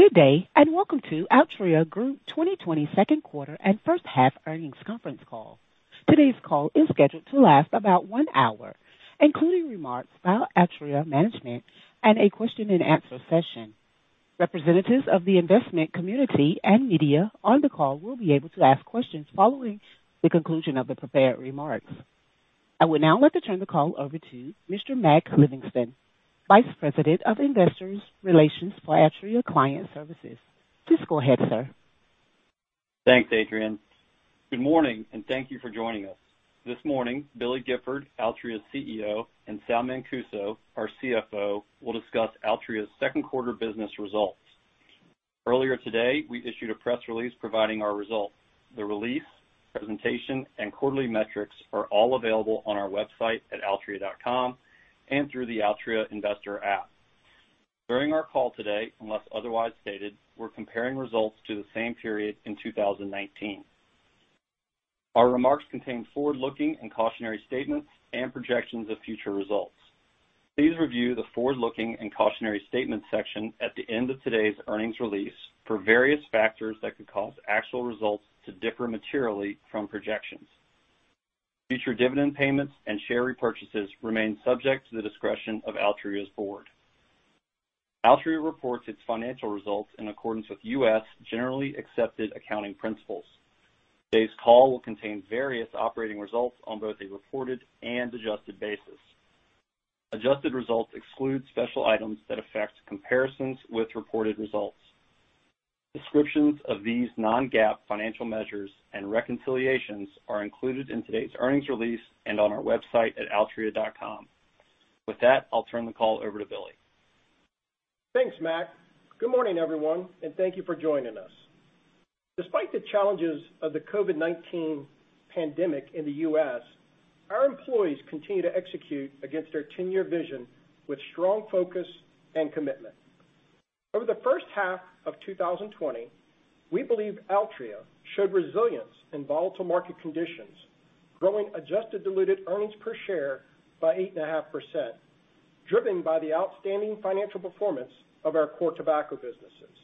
Good day. Welcome to Altria Group 2020 second quarter and first half earnings conference call. Today's call is scheduled to last about one hour, including remarks by Altria management and a question-and-answer session. Representatives of the investment community and media on the call will be able to ask questions following the conclusion of the prepared remarks. I would now like to turn the call over to Mr. Mac Livingston, Vice President of Investor Relations for Altria Client Services. Please go ahead, sir. Thanks, Adrienne. Good morning, and thank you for joining us. This morning, Billy Gifford, Altria's CEO, and Sal Mancuso, our CFO, will discuss Altria's second quarter business results. Earlier today, we issued a press release providing our results. The release, presentation, and quarterly metrics are all available on our website at altria.com and through the Altria Investor app. During our call today, unless otherwise stated, we're comparing results to the same period in 2019. Our remarks contain forward-looking and cautionary statements and projections of future results. Please review the forward-looking and cautionary statements section at the end of today's earnings release for various factors that could cause actual results to differ materially from projections. Future dividend payments and share repurchases remain subject to the discretion of Altria's board. Altria reports its financial results in accordance with U.S. generally accepted accounting principles. Today's call will contain various operating results on both a reported and adjusted basis. Adjusted results exclude special items that affect comparisons with reported results. Descriptions of these non-GAAP financial measures and reconciliations are included in today's earnings release and on our website at altria.com. With that, I'll turn the call over to Billy. Thanks, Mac. Good morning, everyone, and thank you for joining us. Despite the challenges of the COVID-19 pandemic in the U.S., our employees continue to execute against our 10-year vision with strong focus and commitment. Over the first half of 2020, we believe Altria showed resilience in volatile market conditions, growing adjusted diluted earnings per share by 8.5%, driven by the outstanding financial performance of our core tobacco businesses.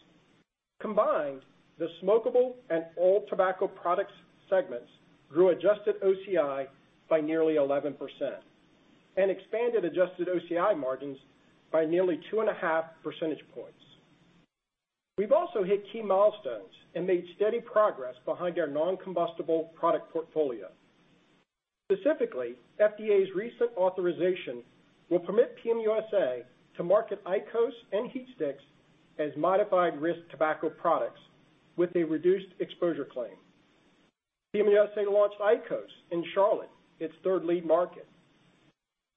Combined, the smokable and all tobacco products segments grew adjusted OCI by nearly 11% and expanded adjusted OCI margins by nearly 2.5 percentage points. We've also hit key milestones and made steady progress behind our non-combustible product portfolio. Specifically, FDA's recent authorization will permit PM USA to market IQOS and HeatSticks as modified risk tobacco products with a reduced exposure claim. PM USA launched IQOS in Charlotte, its third lead market.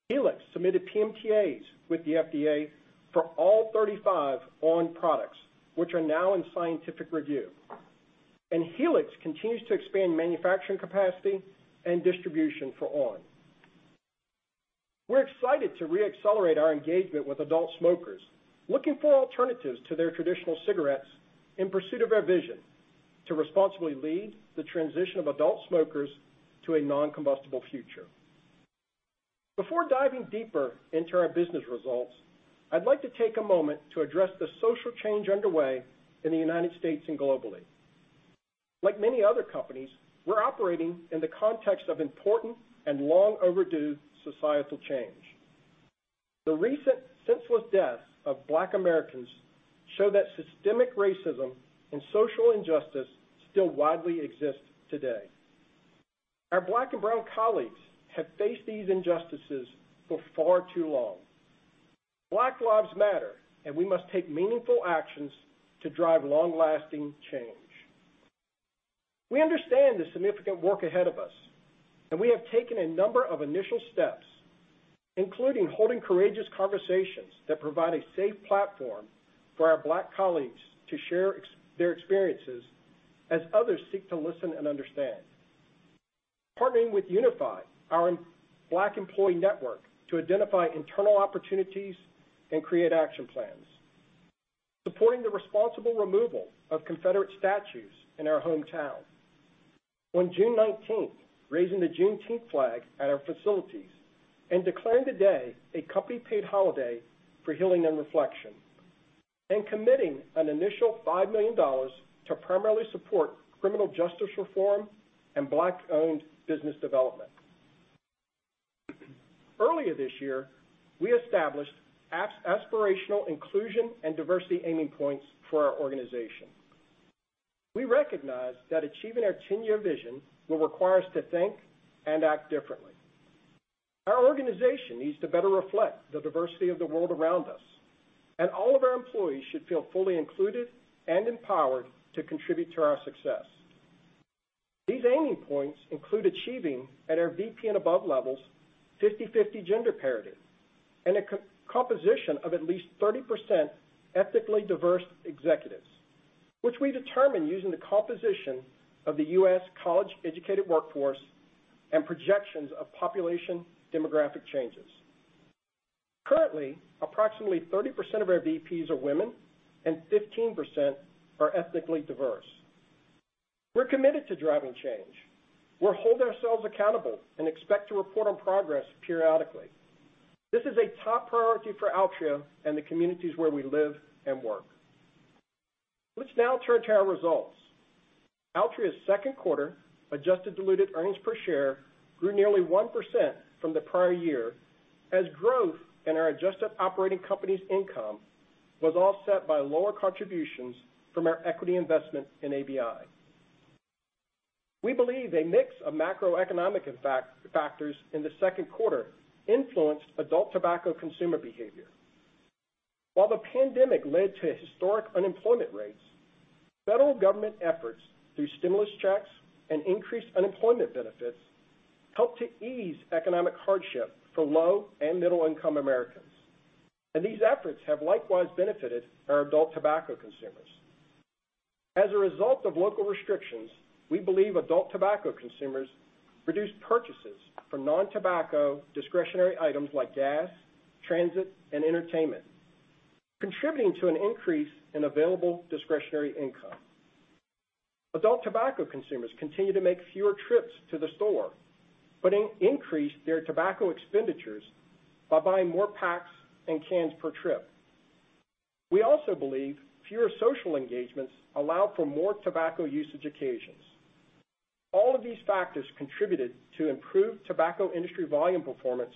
Helix submitted PMTAs with the FDA for all 35 on! products, which are now in scientific review. Helix continues to expand manufacturing capacity and distribution for on!. We're excited to re-accelerate our engagement with adult smokers looking for alternatives to their traditional cigarettes in pursuit of our vision to responsibly lead the transition of adult smokers to a non-combustible future. Before diving deeper into our business results, I'd like to take a moment to address the social change underway in the U.S. and globally. Like many other companies, we're operating in the context of important and long overdue societal change. The recent senseless deaths of Black Americans show that systemic racism and social injustice still widely exist today. Our Black and Brown colleagues have faced these injustices for far too long. Black lives matter, we must take meaningful actions to drive long-lasting change. We understand the significant work ahead of us, and we have taken a number of initial steps, including holding courageous conversations that provide a safe platform for our Black colleagues to share their experiences as others seek to listen and understand. Partnering with UNIFI, our Black employee network, to identify internal opportunities and create action plans. Supporting the responsible removal of Confederate statues in our hometown. On June 19th, raising the Juneteenth flag at our facilities and declaring the day a company paid holiday for healing and reflection, and committing an initial $5 million to primarily support criminal justice reform and Black-owned business development. Earlier this year, we established aspirational inclusion and diversity aiming points for our organization. We recognize that achieving our 10-year vision will require us to think and act differently. Our organization needs to better reflect the diversity of the world around us, and all of our employees should feel fully included and empowered to contribute to our success. These aiming points include achieving at our VP and above levels, 50/50 gender parity, and a composition of at least 30% ethnically diverse executives, which we determine using the composition of the U.S. college-educated workforce and projections of population demographic changes. Currently, approximately 30% of our VPs are women and 15% are ethnically diverse. We're committed to driving change. We'll hold ourselves accountable and expect to report on progress periodically. This is a top priority for Altria and the communities where we live and work. Let's now turn to our results. Altria's second quarter adjusted diluted earnings per share grew nearly 1% from the prior year, as growth in our adjusted operating company's income was offset by lower contributions from our equity investment in ABI. We believe a mix of macroeconomic factors in the second quarter influenced adult tobacco consumer behavior. While the pandemic led to historic unemployment rates, federal government efforts through stimulus checks and increased unemployment benefits helped to ease economic hardship for low and middle income Americans, and these efforts have likewise benefited our adult tobacco consumers. As a result of local restrictions, we believe adult tobacco consumers reduced purchases for non-tobacco discretionary items like gas, transit, and entertainment, contributing to an increase in available discretionary income. Adult tobacco consumers continue to make fewer trips to the store, but increased their tobacco expenditures by buying more packs and cans per trip. We also believe fewer social engagements allow for more tobacco usage occasions. All of these factors contributed to improved tobacco industry volume performance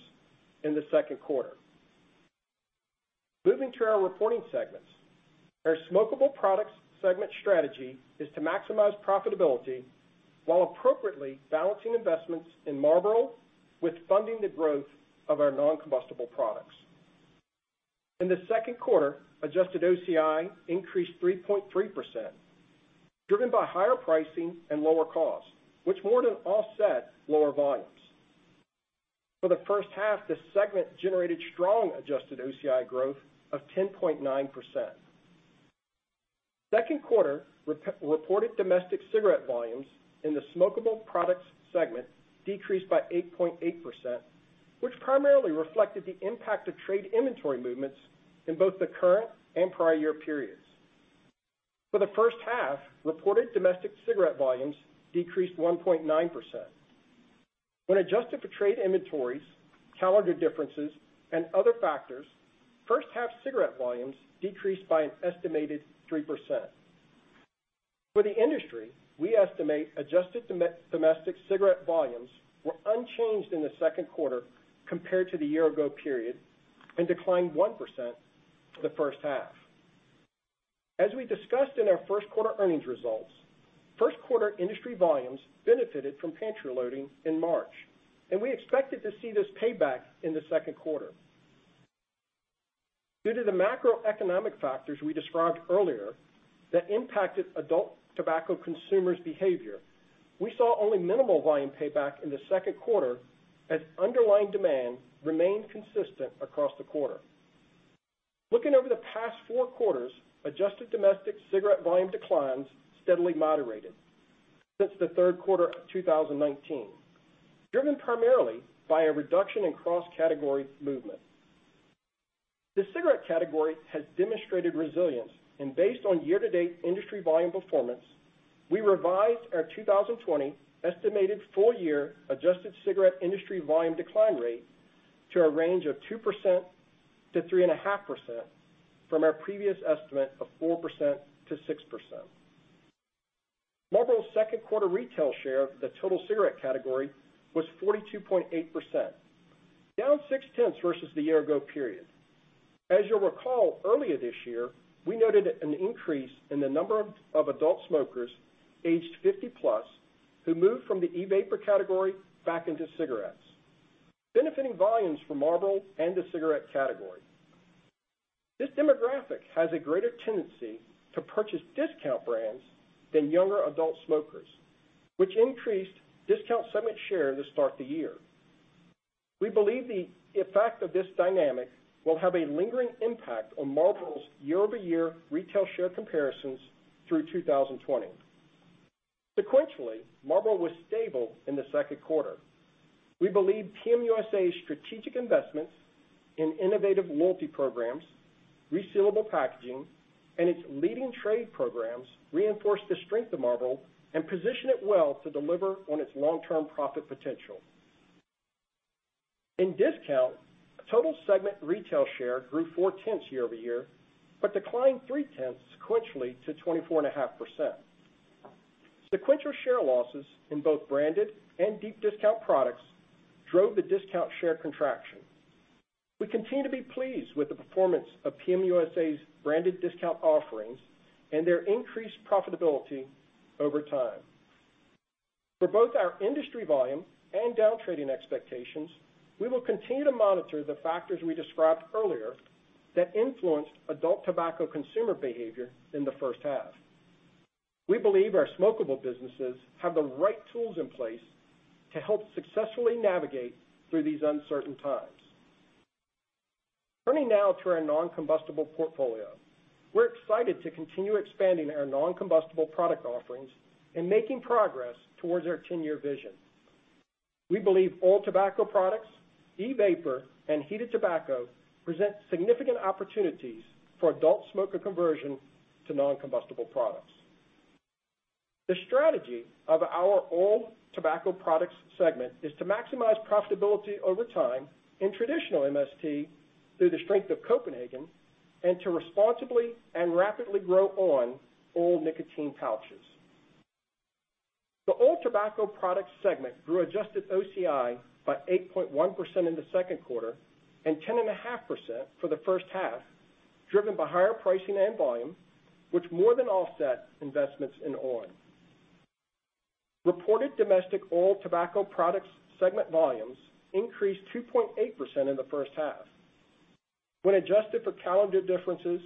in the second quarter. Moving to our reporting segments, our Smokable Products Segment strategy is to maximize profitability while appropriately balancing investments in Marlboro with funding the growth of our non-combustible products. In the second quarter, adjusted OCI increased 3.3%, driven by higher pricing and lower costs, which more than offset lower volumes. For the first half, this segment generated strong adjusted OCI growth of 10.9%. Second quarter reported domestic cigarette volumes in the Smokable Products Segment decreased by 8.8%, which primarily reflected the impact of trade inventory movements in both the current and prior year periods. For the first half, reported domestic cigarette volumes decreased 1.9%. When adjusted for trade inventories, calendar differences, and other factors, first half cigarette volumes decreased by an estimated 3%. For the industry, we estimate adjusted domestic cigarette volumes were unchanged in the second quarter compared to the year-ago period and declined 1% for the first half. As we discussed in our first quarter earnings results, first quarter industry volumes benefited from pantry loading in March, we expected to see this pay back in the second quarter. Due to the macroeconomic factors we described earlier that impacted adult tobacco consumers' behavior, we saw only minimal volume payback in the second quarter as underlying demand remained consistent across the quarter. Looking over the past four quarters, adjusted domestic cigarette volume declines steadily moderated since the third quarter of 2019, driven primarily by a reduction in cross-category movement. The cigarette category has demonstrated resilience and based on year-to-date industry volume performance, we revised our 2020 estimated full-year adjusted cigarette industry volume decline rate to a range of 2%-3.5% from our previous estimate of 4%-6%. Marlboro's second quarter retail share of the total cigarette category was 42.8%, down 0.6 versus the year-ago period. As you'll recall, earlier this year, we noted an increase in the number of adult smokers aged 50 plus who moved from the e-vapor category back into cigarettes, benefiting volumes for Marlboro and the cigarette category. This demographic has a greater tendency to purchase discount brands than younger adult smokers, which increased discount segment share to start the year. We believe the effect of this dynamic will have a lingering impact on Marlboro's year-over-year retail share comparisons through 2020. Sequentially, Marlboro was stable in the second quarter. We believe PM USA's strategic investments in innovative loyalty programs, resealable packaging, and its leading trade programs reinforce the strength of Marlboro and position it well to deliver on its long-term profit potential. In discount, total segment retail share grew 0.4 year-over-year, declined 0.3 sequentially to 24.5%. Sequential share losses in both branded and deep discount products drove the discount share contraction. We continue to be pleased with the performance of PM USA's branded discount offerings and their increased profitability over time. For both our industry volume and down trading expectations, we will continue to monitor the factors we described earlier that influenced adult tobacco consumer behavior in the first half. We believe our smokable businesses have the right tools in place to help successfully navigate through these uncertain times. Turning now to our non-combustible portfolio. We're excited to continue expanding our non-combustible product offerings and making progress towards our 10-year vision. We believe oral tobacco products, e-vapor, and heated tobacco present significant opportunities for adult smoker conversion to non-combustible products. The strategy of our oral tobacco products segment is to maximize profitability over time in traditional MST through the strength of Copenhagen, and to responsibly and rapidly grow on!, oral nicotine pouches. The oral tobacco products segment grew adjusted OCI by 8.1% in the second quarter and 10.5% for the first half, driven by higher pricing and volume, which more than offset investments in on!. Reported domestic oral tobacco products segment volumes increased 2.8% in the first half. When adjusted for calendar differences,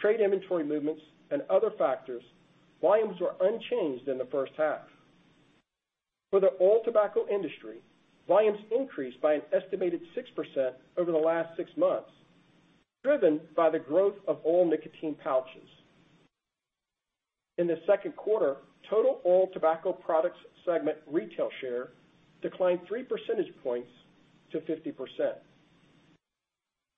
trade inventory movements, and other factors, volumes were unchanged in the first half. For the oral tobacco industry, volumes increased by an estimated 6% over the last six months, driven by the growth of oral nicotine pouches. In the second quarter, total oral tobacco products segment retail share declined 3 percentage points to 50%.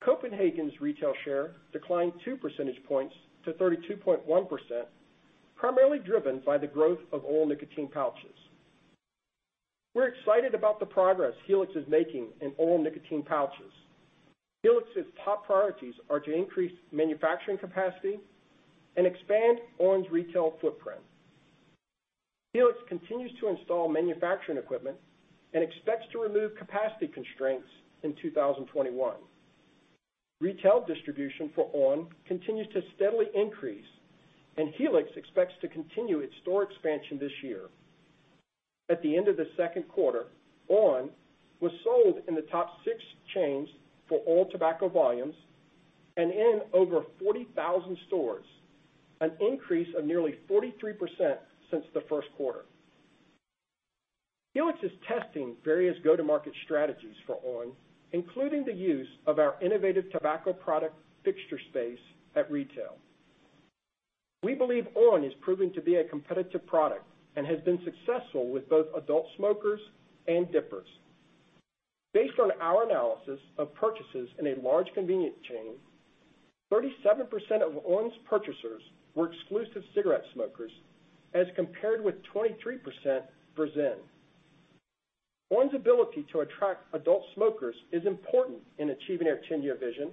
Copenhagen's retail share declined 2 percentage points to 32.1%, primarily driven by the growth of oral nicotine pouches. We're excited about the progress Helix is making in oral nicotine pouches. Helix's top priorities are to increase manufacturing capacity and expand on!'s retail footprint. Helix continues to install manufacturing equipment and expects to remove capacity constraints in 2021. Retail distribution for on! continues to steadily increase, and Helix expects to continue its store expansion this year. At the end of the second quarter, on! was sold in the top six chains for oral tobacco volumes and in over 40,000 stores, an increase of nearly 43% since the first quarter. Helix is testing various go-to-market strategies for on!, including the use of our innovative tobacco product fixture space at retail. We believe on! is proving to be a competitive product and has been successful with both adult smokers and dippers. Based on our analysis of purchases in a large convenience chain, 37% of on!'s purchasers were exclusive cigarette smokers, as compared with 23% for ZYN. on!'s ability to attract adult smokers is important in achieving our 10-year vision,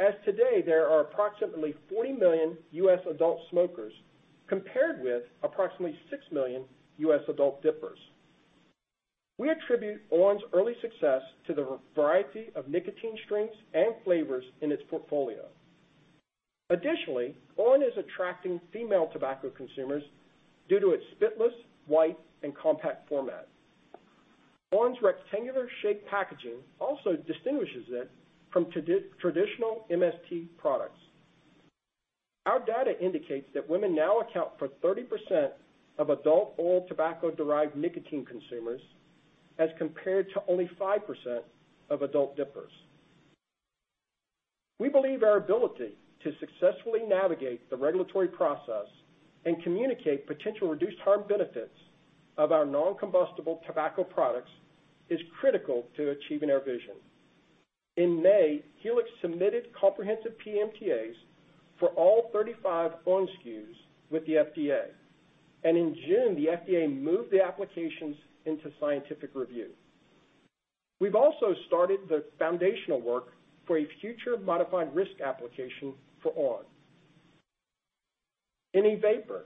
as today there are approximately 40 million U.S. adult smokers, compared with approximately 6 million U.S. adult dippers. We attribute on!'s early success to the variety of nicotine strengths and flavors in its portfolio. Additionally, on! is attracting female tobacco consumers due to its spitless, white, and compact format. on!'s rectangular shaped packaging also distinguishes it from traditional MST products. Our data indicates that women now account for 30% of adult oral tobacco-derived nicotine consumers, as compared to only 5% of adult dippers. We believe our ability to successfully navigate the regulatory process and communicate potential reduced harm benefits of our non-combustible tobacco products is critical to achieving our vision. In May, Helix submitted comprehensive PMTAs for all 35 on! SKUs with the FDA, and in June, the FDA moved the applications into scientific review. We've also started the foundational work for a future modified risk application for on!. In e-vapor,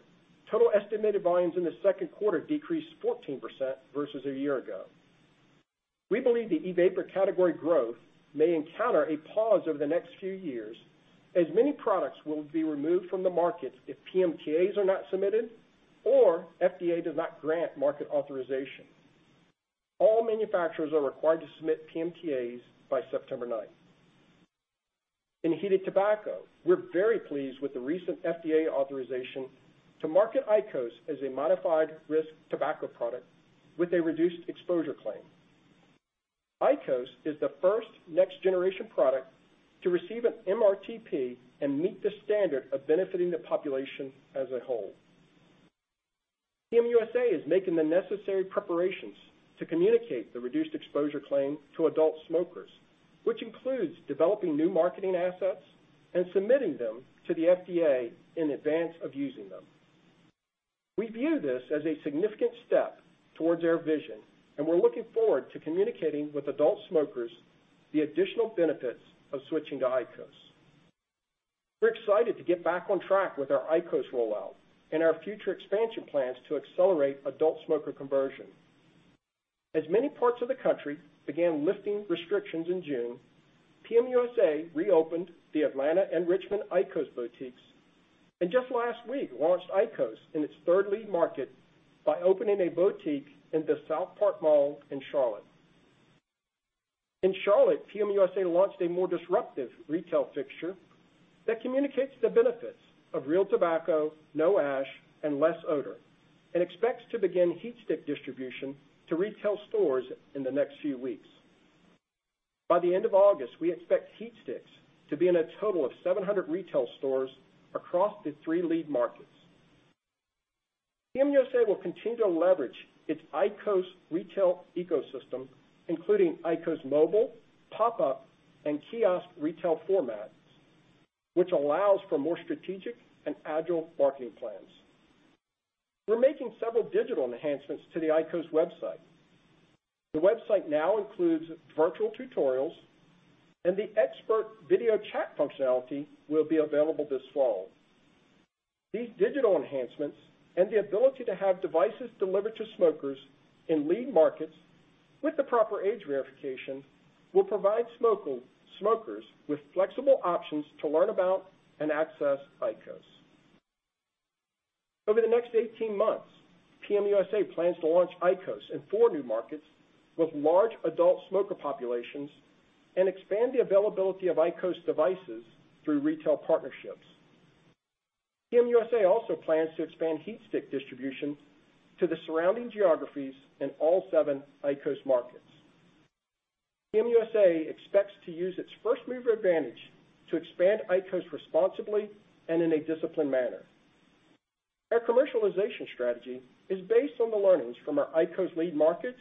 total estimated volumes in the second quarter decreased 14% versus a year ago. We believe the e-vapor category growth may encounter a pause over the next few years, as many products will be removed from the markets if PMTAs are not submitted or FDA does not grant market authorization. All manufacturers are required to submit PMTAs by September 9th. In heated tobacco, we're very pleased with the recent FDA authorization to market IQOS as a modified risk tobacco product with a reduced exposure claim. IQOS is the first generation product to receive an MRTP and meet the standard of benefiting the population as a whole. PM USA is making the necessary preparations to communicate the reduced exposure claim to adult smokers, which includes developing new marketing assets and submitting them to the FDA in advance of using them. We view this as a significant step towards our vision, we're looking forward to communicating with adult smokers the additional benefits of switching to IQOS. We're excited to get back on track with our IQOS rollout and our future expansion plans to accelerate adult smoker conversion. As many parts of the country began lifting restrictions in June, PM USA reopened the Atlanta and Richmond IQOS boutiques, and just last week, launched IQOS in its third lead market by opening a boutique in the SouthPark Mall in Charlotte. In Charlotte, PM USA launched a more disruptive retail fixture that communicates the benefits of real tobacco, no ash, and less odor, and expects to begin HeatStick distribution to retail stores in the next few weeks. By the end of August, we expect HeatSticks to be in a total of 700 retail stores across the three lead markets. PM USA will continue to leverage its IQOS retail ecosystem, including IQOS mobile, pop-up, and kiosk retail formats, which allows for more strategic and agile marketing plans. We're making several digital enhancements to the IQOS website. The website now includes virtual tutorials. The expert video chat functionality will be available this fall. These digital enhancements and the ability to have devices delivered to smokers in lead markets with the proper age verification will provide smokers with flexible options to learn about and access IQOS. Over the next 18 months, PM USA plans to launch IQOS in four new markets with large adult smoker populations and expand the availability of IQOS devices through retail partnerships. PM USA also plans to expand HeatSticks distribution to the surrounding geographies in all seven IQOS markets. PM USA expects to use its first-mover advantage to expand IQOS responsibly and in a disciplined manner. Our commercialization strategy is based on the learnings from our IQOS lead markets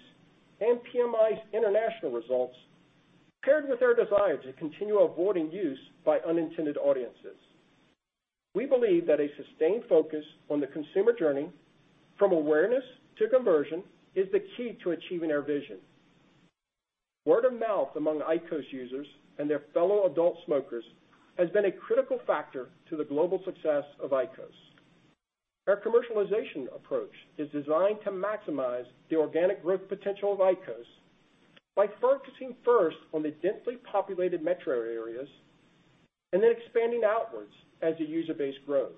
and PMI's international results, paired with our desire to continue avoiding use by unintended audiences. We believe that a sustained focus on the consumer journey from awareness to conversion is the key to achieving our vision. Word of mouth among IQOS users and their fellow adult smokers has been a critical factor to the global success of IQOS. Our commercialization approach is designed to maximize the organic growth potential of IQOS by focusing first on the densely populated metro areas, and then expanding outwards as the user base grows.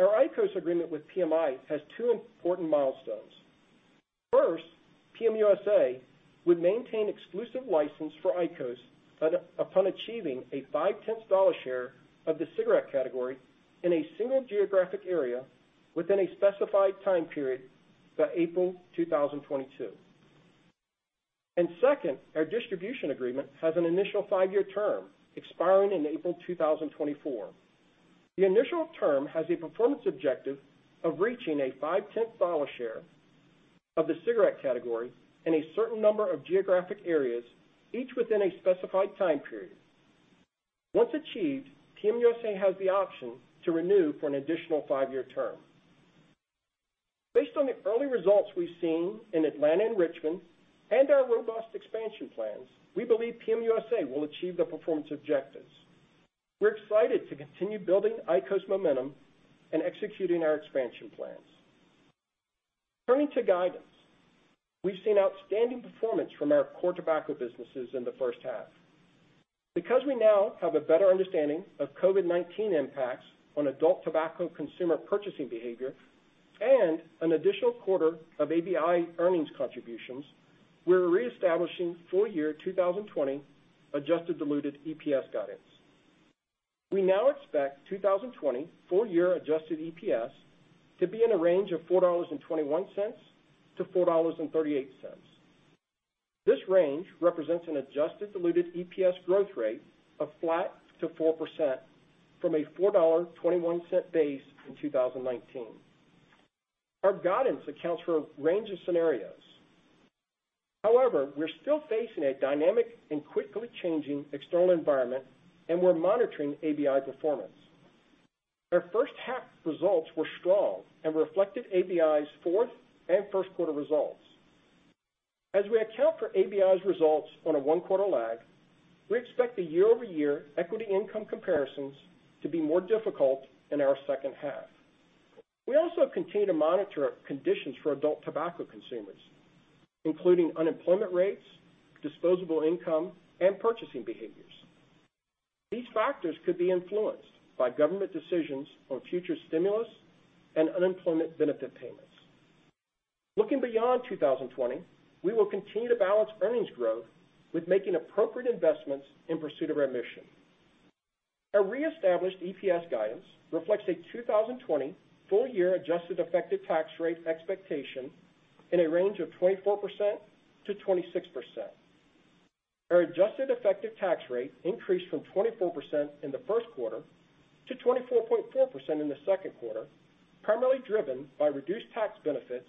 Our IQOS agreement with PMI has two important milestones. First, PM USA would maintain exclusive license for IQOS upon achieving a five-tenth dollar share of the cigarette category in a single geographic area within a specified time period by April 2022. Second, our distribution agreement has an initial five-year term expiring in April 2024. The initial term has a performance objective of reaching a five-tenth dollar share of the cigarette category in a certain number of geographic areas, each within a specified time period. Once achieved, PM USA has the option to renew for an additional five-year term. Based on the early results we've seen in Atlanta and Richmond, and our robust expansion plans, we believe PM USA will achieve the performance objectives. We're excited to continue building IQOS momentum and executing our expansion plans. Turning to guidance. We've seen outstanding performance from our core tobacco businesses in the first half. Because we now have a better understanding of COVID-19 impacts on adult tobacco consumer purchasing behavior and an additional quarter of ABI earnings contributions, we're reestablishing full-year 2020 adjusted diluted EPS guidance. We now expect 2020 full-year adjusted EPS to be in a range of $4.21-$4.38. This range represents an adjusted diluted EPS growth rate of flat to 4% from a $4.21 base in 2019. However, we're still facing a dynamic and quickly changing external environment, and we're monitoring ABI performance. Our first half results were strong and reflected ABI's fourth and first quarter results. As we account for ABI's results on a one-quarter lag, we expect the year-over-year equity income comparisons to be more difficult in our second half. We also continue to monitor conditions for adult tobacco consumers, including unemployment rates, disposable income, and purchasing behaviors. These factors could be influenced by government decisions on future stimulus and unemployment benefit payments. Looking beyond 2020, we will continue to balance earnings growth with making appropriate investments in pursuit of our mission. Our reestablished EPS guidance reflects a 2020 full-year adjusted effective tax rate expectation in a range of 24%-26%. Our adjusted effective tax rate increased from 24% in the first quarter to 24.4% in the second quarter, primarily driven by reduced tax benefits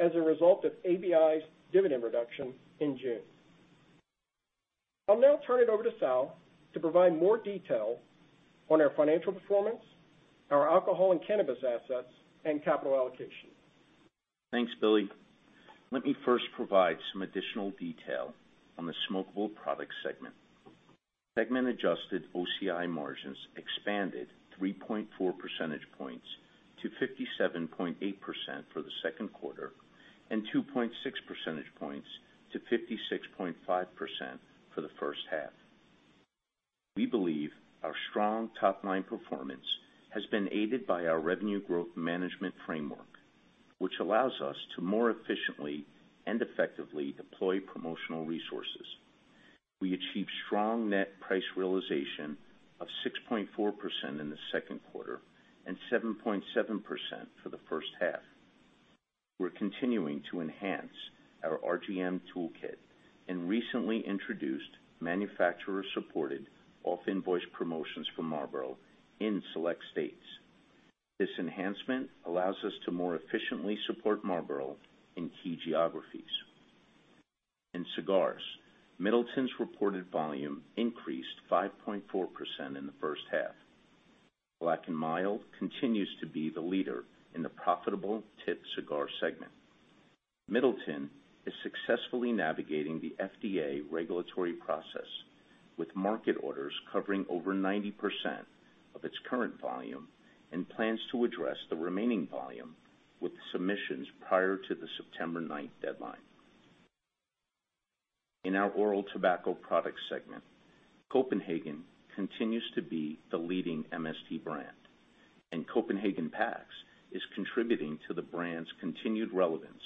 as a result of ABI's dividend reduction in June. I'll now turn it over to Sal to provide more detail on our financial performance, our alcohol and cannabis assets, and capital allocation. Thanks, Billy. Let me first provide some additional detail on the Smokable Products Segment. Segment adjusted OCI margins expanded 3.4 percentage points to 57.8% for the second quarter, and 2.6 percentage points to 56.5% for the first half. We believe our strong top-line performance has been aided by our Revenue Growth Management framework, which allows us to more efficiently and effectively deploy promotional resources. We achieved strong net price realization of 6.4% in the second quarter and 7.7% for the first half. We're continuing to enhance our RGM toolkit and recently introduced manufacturer-supported off-invoice promotions for Marlboro in select states. This enhancement allows us to more efficiently support Marlboro in key geographies. In cigars, Middleton's reported volume increased 5.4% in the first half. Black & Mild continues to be the leader in the profitable tipped cigar segment. Middleton is successfully navigating the FDA regulatory process, with market orders covering over 90% of its current volume and plans to address the remaining volume with submissions prior to the September 9th deadline. In our Oral Tobacco Products segment, Copenhagen continues to be the leading MST brand, and Copenhagen Packs is contributing to the brand's continued relevance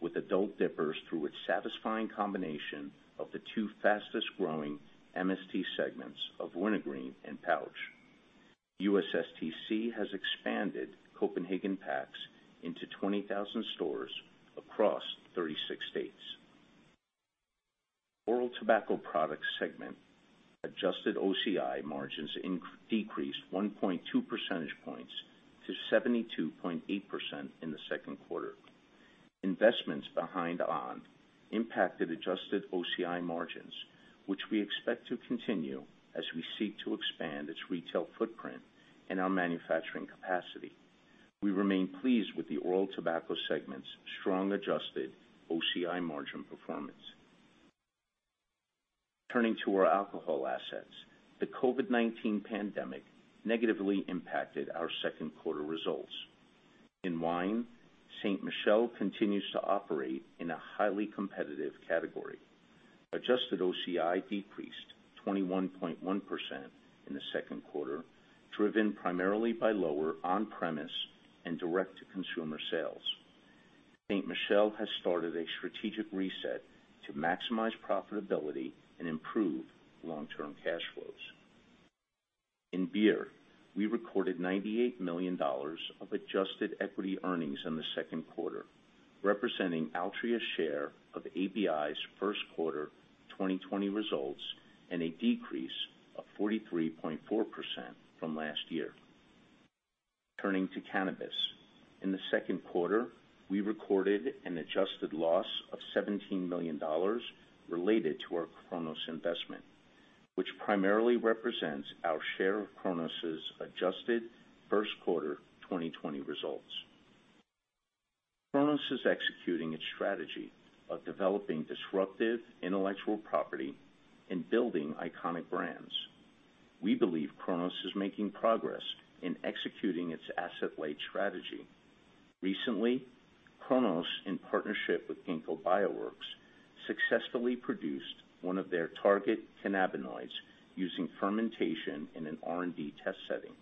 with adult dippers through its satisfying combination of the two fastest-growing MST segments of wintergreen and pouch. USSTC has expanded Copenhagen Packs into 20,000 stores across 36 states. Oral Tobacco Products segment adjusted OCI margins decreased 1.2 percentage points to 72.8% in the second quarter. Investments behind on! impacted adjusted OCI margins, which we expect to continue as we seek to expand its retail footprint and our manufacturing capacity. We remain pleased with the Oral Tobacco Products segment's strong adjusted OCI margin performance. Turning to our Alcohol assets, the COVID-19 pandemic negatively impacted our second quarter results. In wine, Ste. Michelle continues to operate in a highly competitive category. Adjusted OCI decreased 21.1% in the second quarter, driven primarily by lower on-premise and direct-to-consumer sales. Ste. Michelle has started a strategic reset to maximize profitability and improve long-term cash flows. In beer, we recorded $98 million of adjusted equity earnings in the second quarter, representing Altria's share of ABI's first quarter 2020 results and a decrease of 43.4% from last year. Turning to cannabis. In the second quarter, we recorded an adjusted loss of $17 million related to our Cronos investment, which primarily represents our share of Cronos's adjusted first quarter 2020 results. Cronos is executing its strategy of developing disruptive intellectual property and building iconic brands. We believe Cronos is making progress in executing its asset-light strategy. Recently, Cronos, in partnership with Ginkgo Bioworks, successfully produced one of their target cannabinoids using fermentation in an R&D test setting.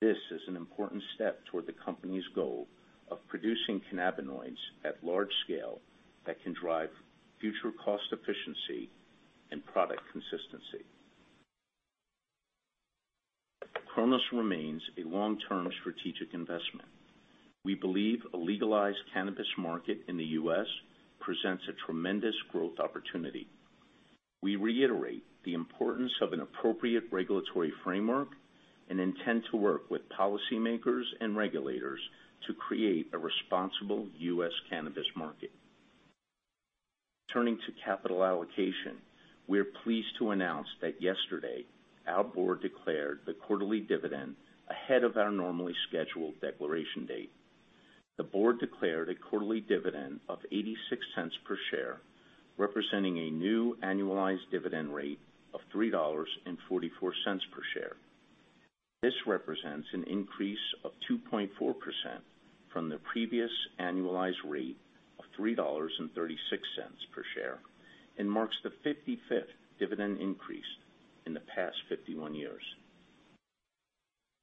This is an important step toward the company's goal of producing cannabinoids at large scale that can drive future cost efficiency and product consistency. Cronos remains a long-term strategic investment. We believe a legalized cannabis market in the U.S. presents a tremendous growth opportunity. We reiterate the importance of an appropriate regulatory framework and intend to work with policymakers and regulators to create a responsible U.S. cannabis market. Turning to capital allocation, we're pleased to announce that yesterday our Board declared the quarterly dividend ahead of our normally scheduled declaration date. The Board declared a quarterly dividend of $0.86 per share, representing a new annualized dividend rate of $3.44 per share. This represents an increase of 2.4% from the previous annualized rate of $3.36 per share and marks the 55th dividend increase in the past 51 years.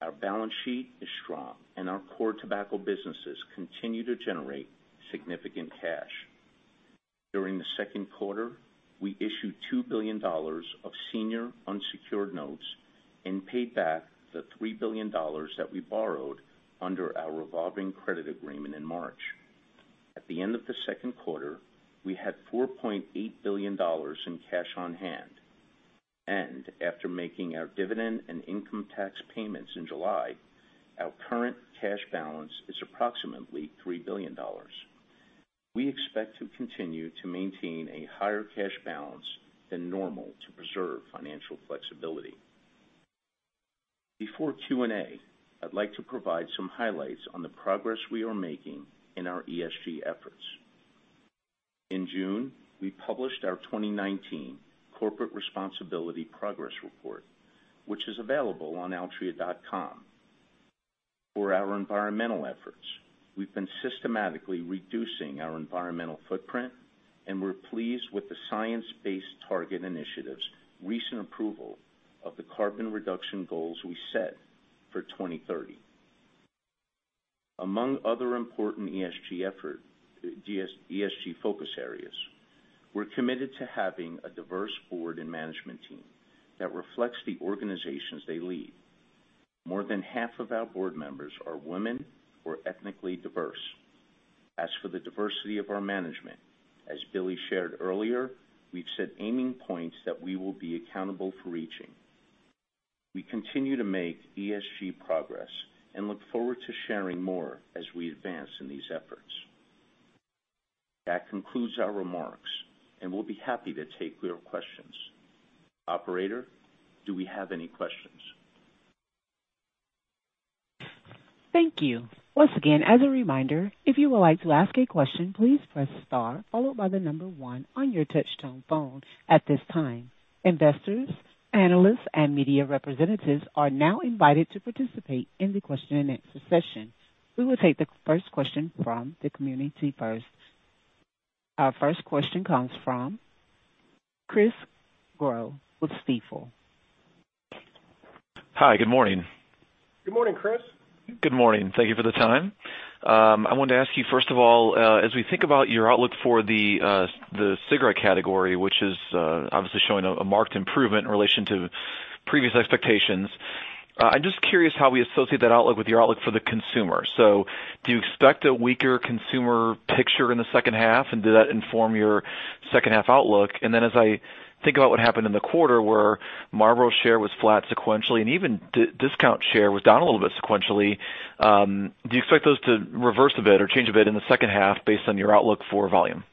Our balance sheet is strong, and our core tobacco businesses continue to generate significant cash. During the second quarter, we issued $2 billion of senior unsecured notes and paid back the $3 billion that we borrowed under our revolving credit agreement in March. At the end of the second quarter, we had $4.8 billion in cash on hand, and after making our dividend and income tax payments in July, our current cash balance is approximately $3 billion. We expect to continue to maintain a higher cash balance than normal to preserve financial flexibility. Before Q&A, I'd like to provide some highlights on the progress we are making in our ESG efforts. In June, we published our 2019 Corporate Responsibility Progress Report, which is available on altria.com. For our environmental efforts, we've been systematically reducing our environmental footprint, and we're pleased with the Science Based Targets initiative's recent approval of the carbon reduction goals we set for 2030. Among other important ESG focus areas, we're committed to having a diverse board and management team that reflects the organizations they lead. More than half of our Board Members are women or ethnically diverse. As for the diversity of our management, as Billy shared earlier, we've set aiming points that we will be accountable for reaching. We continue to make ESG progress and look forward to sharing more as we advance in these efforts. That concludes our remarks, and we'll be happy to take your questions. Operator, do we have any questions? Thank you. Once again, as a reminder, if you would like to ask a question, please press star followed by the number one on your touch-tone phone. At this time, investors, analysts, and media representatives are now invited to participate in the question-and-answer session. We will take the first question from the community first. Our first question comes from Chris Growe with Stifel. Hi, good morning. Good morning, Chris. Good morning. Thank you for the time. I wanted to ask you, first of all, as we think about your outlook for the cigarette category, which is obviously showing a marked improvement in relation to previous expectations, I'm just curious how we associate that outlook with your outlook for the consumer. Do you expect a weaker consumer picture in the second half? Did that inform your second half outlook? As I think about what happened in the quarter where Marlboro share was flat sequentially and even discount share was down a little bit sequentially, do you expect those to reverse a bit or change a bit in the second half based on your outlook for volume?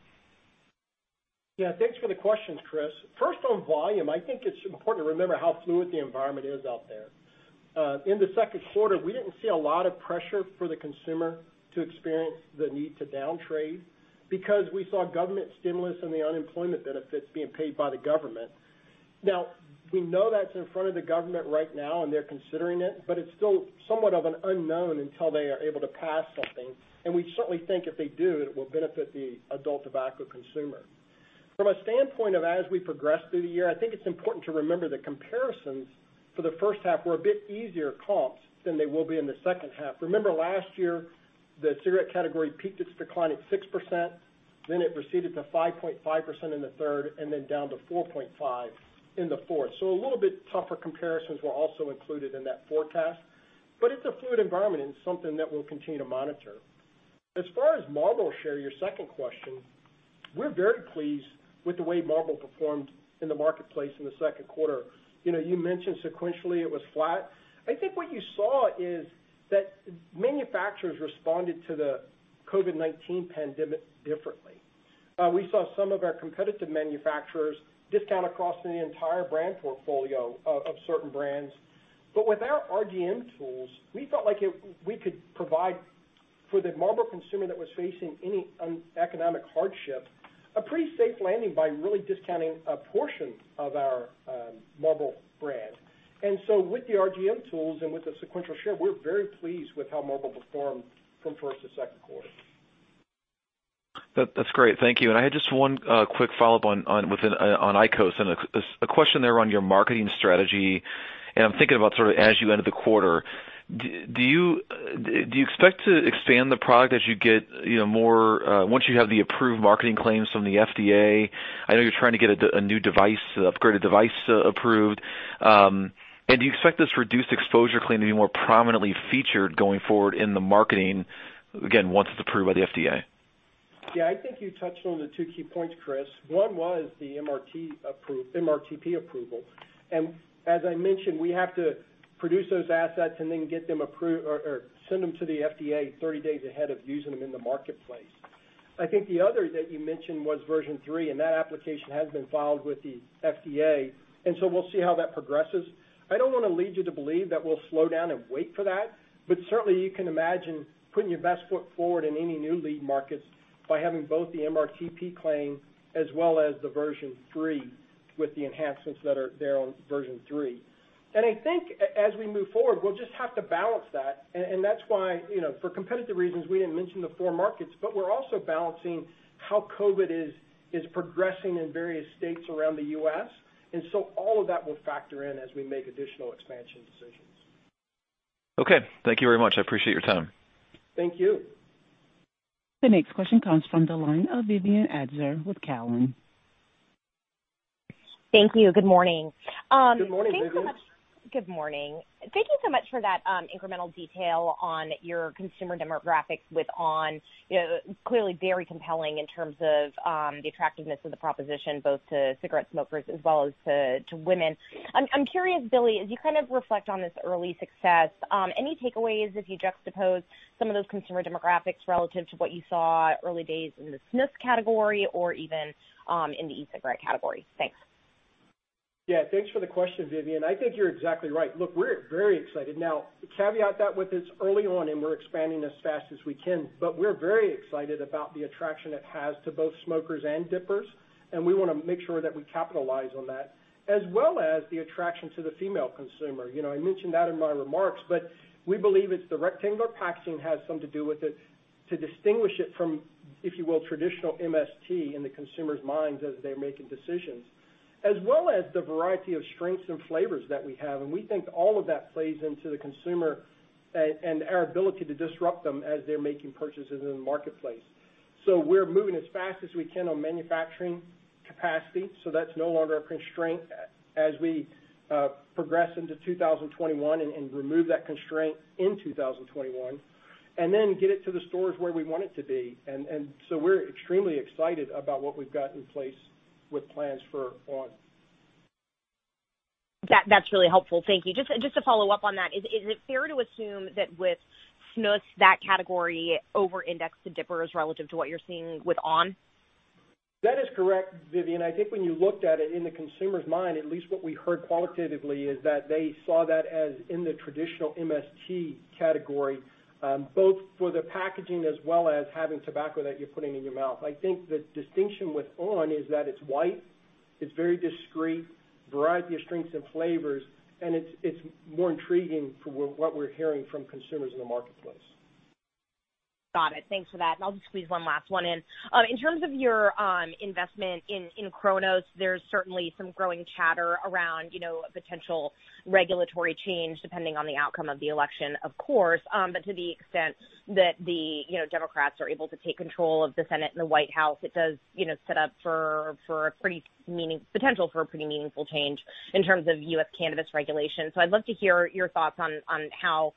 Thanks for the questions, Chris. First, on volume, I think it's important to remember how fluid the environment is out there. In the second quarter, we didn't see a lot of pressure for the consumer to experience the need to downtrade because we saw government stimulus and the unemployment benefits being paid by the government. We know that's in front of the government right now, and they're considering it, but it's still somewhat of an unknown until they are able to pass something. We certainly think if they do, it will benefit the adult tobacco consumer. From a standpoint of as we progress through the year, I think it's important to remember the comparisons for the first half were a bit easier comps than they will be in the second half. Remember, last year, the cigarette category peaked its decline at 6%, then it receded to 5.5% in the third, and then down to 4.5% in the fourth. A little bit tougher comparisons were also included in that forecast, but it's a fluid environment and something that we'll continue to monitor. As far as Marlboro share, your second question, we're very pleased with the way Marlboro performed in the marketplace in the second quarter. You mentioned sequentially it was flat. I think what you saw is that manufacturers responded to the COVID-19 pandemic differently. We saw some of our competitive manufacturers discount across the entire brand portfolio of certain brands. With our RGM tools, we felt like we could provide for the Marlboro consumer that was facing any economic hardship, a pretty safe landing by really discounting a portion of our Marlboro brand. With the RGM tools and with the sequential share, we're very pleased with how Marlboro performed from first to second quarter. That's great. Thank you. I had just one quick follow-up on IQOS and a question there on your marketing strategy, and I'm thinking about sort of as you end the quarter. Do you expect to expand the product as you get more once you have the approved marketing claims from the FDA? I know you're trying to get a new device, upgraded device approved. Do you expect this reduced exposure claim to be more prominently featured going forward in the marketing, again, once it's approved by the FDA? Yeah, I think you touched on the two key points, Chris. One was the MRTP approval. As I mentioned, we have to produce those assets and then get them approved or send them to the FDA 30 days ahead of using them in the marketplace. I think the other that you mentioned was version 3. That application has been filed with the FDA. We'll see how that progresses. I don't want to lead you to believe that we'll slow down and wait for that. Certainly, you can imagine putting your best foot forward in any new lead markets by having both the MRTP claim as well as the version 3 with the enhancements that are there on version 3. I think as we move forward, we'll just have to balance that and that's why for competitive reasons, we didn't mention the four markets, but we're also balancing how COVID-19 is progressing in various states around the U.S.. All of that will factor in as we make additional expansion decisions. Okay. Thank you very much. I appreciate your time. Thank you. The next question comes from the line of Vivien Azer with Cowen. Thank you. Good morning. Good morning, Vivien. Good morning. Thank you so much for that incremental detail on your consumer demographics with on!. Clearly very compelling in terms of the attractiveness of the proposition, both to cigarette smokers as well as to women. I'm curious, Billy, as you kind of reflect on this early success, any takeaways as you juxtapose some of those consumer demographics relative to what you saw early days in the snus category or even in the e-cigarette category? Thanks. Yeah, thanks for the question, Vivien. I think you're exactly right. Look, we're very excited. Caveat that with it's early on, and we're expanding as fast as we can, but we're very excited about the attraction it has to both smokers and dippers, and we want to make sure that we capitalize on that as well as the attraction to the female consumer. I mentioned that in my remarks, but we believe it's the rectangular packaging has something to do with it to distinguish it from, if you will, traditional MST in the consumer's minds as they're making decisions. As well as the variety of strengths and flavors that we have. We think all of that plays into the consumer and our ability to disrupt them as they're making purchases in the marketplace. We're moving as fast as we can on manufacturing capacity, so that's no longer a constraint as we progress into 2021 and remove that constraint in 2021 and then get it to the stores where we want it to be. We're extremely excited about what we've got in place with plans for on!. That's really helpful. Thank you. Just to follow up on that, is it fair to assume that with snus, that category over-indexed to dippers relative to what you're seeing with on!? That is correct, Vivien. I think when you looked at it in the consumer's mind, at least what we heard qualitatively, is that they saw that as in the traditional MST category, both for the packaging as well as having tobacco that you're putting in your mouth. I think the distinction with on! is that it's white, it's very discreet, variety of strengths and flavors, and it's more intriguing from what we're hearing from consumers in the marketplace. Got it. Thanks for that. I'll just squeeze one last one in. In terms of your investment in Cronos, there's certainly some growing chatter around potential regulatory change, depending on the outcome of the election, of course. To the extent that the Democrats are able to take control of the Senate and the White House, it does set up potential for a pretty meaningful change in terms of U.S. cannabis regulation. I'd love to hear your thoughts on how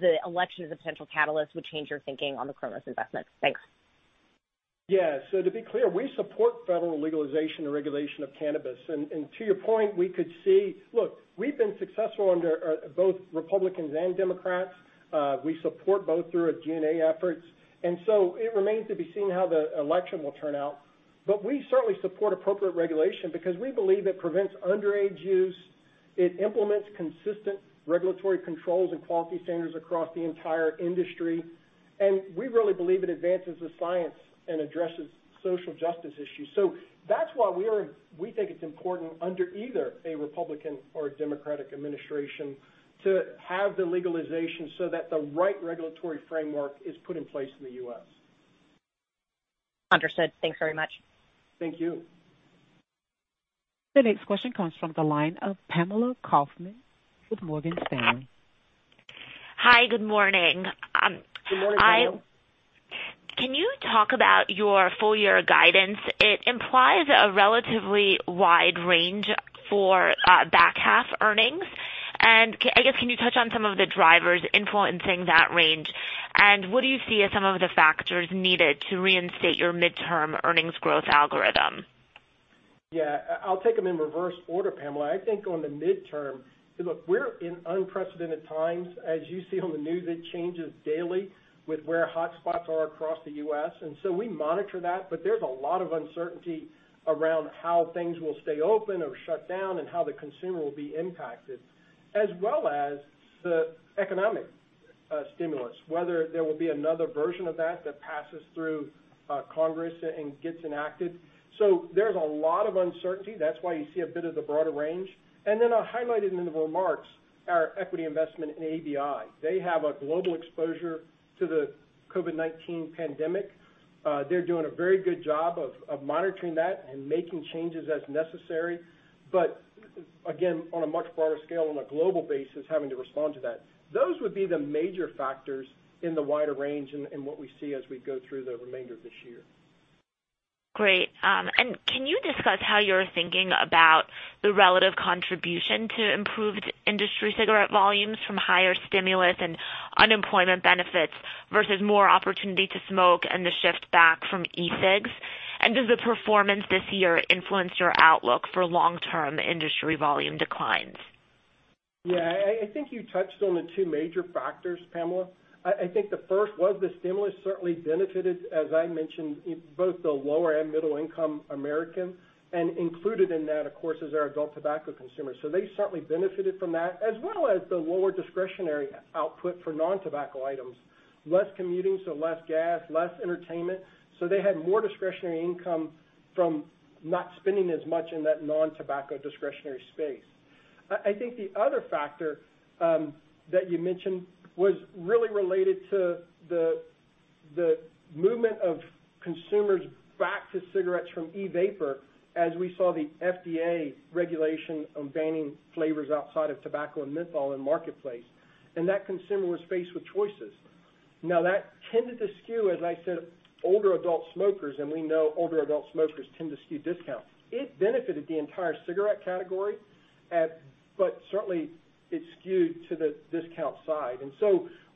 the election as a potential catalyst would change your thinking on the Cronos investment. Thanks. To be clear, we support federal legalization and regulation of cannabis. To your point, we could see we've been successful under both Republicans and Democrats. We support both through our G&A efforts, and so it remains to be seen how the election will turn out. We certainly support appropriate regulation because we believe it prevents underage use, it implements consistent regulatory controls and quality standards across the entire industry, and we really believe it advances the science and addresses social justice issues. That's why we think it's important under either a Republican or a Democratic administration to have the legalization so that the right regulatory framework is put in place in the U.S. Understood. Thanks very much. Thank you. The next question comes from the line of Pamela Kaufman with Morgan Stanley. Hi, good morning. Good morning, Pamela. Can you talk about your full-year guidance? It implies a relatively wide range for back half earnings. I guess, can you touch on some of the drivers influencing that range? What do you see as some of the factors needed to reinstate your midterm earnings growth algorithm? Yeah, I'll take them in reverse order, Pamela. I think on the midterm, look, we're in unprecedented times. As you see on the news, it changes daily with where hotspots are across the U.S., and so we monitor that, but there's a lot of uncertainty around how things will stay open or shut down and how the consumer will be impacted, as well as the economic stimulus, whether there will be another version of that that passes through Congress and gets enacted. There's a lot of uncertainty. That's why you see a bit of the broader range. I highlighted in the remarks our equity investment in ABI. They have a global exposure to the COVID-19 pandemic. They're doing a very good job of monitoring that and making changes as necessary. Again, on a much broader scale, on a global basis, having to respond to that. Those would be the major factors in the wider range and what we see as we go through the remainder of this year. Great. Can you discuss how you're thinking about the relative contribution to improved industry cigarette volumes from higher stimulus and unemployment benefits versus more opportunity to smoke and the shift back from e-cigs? Does the performance this year influence your outlook for long-term industry volume declines? I think you touched on the two major factors, Pamela. I think the first was the stimulus certainly benefited, as I mentioned, both the lower and middle income Americans, and included in that, of course, is our adult tobacco consumers. They certainly benefited from that, as well as the lower discretionary output for non-tobacco items. Less commuting, so less gas, less entertainment. They had more discretionary income from not spending as much in that non-tobacco discretionary space. I think the other factor that you mentioned was really related to the movement of consumers back to cigarettes from e-vapor as we saw the FDA regulation on banning flavors outside of tobacco and menthol in marketplace, and that consumer was faced with choices. Now, that tended to skew, as I said, older adult smokers, and we know older adult smokers tend to skew discount. It benefited the entire cigarette category, but certainly it skewed to the discount side.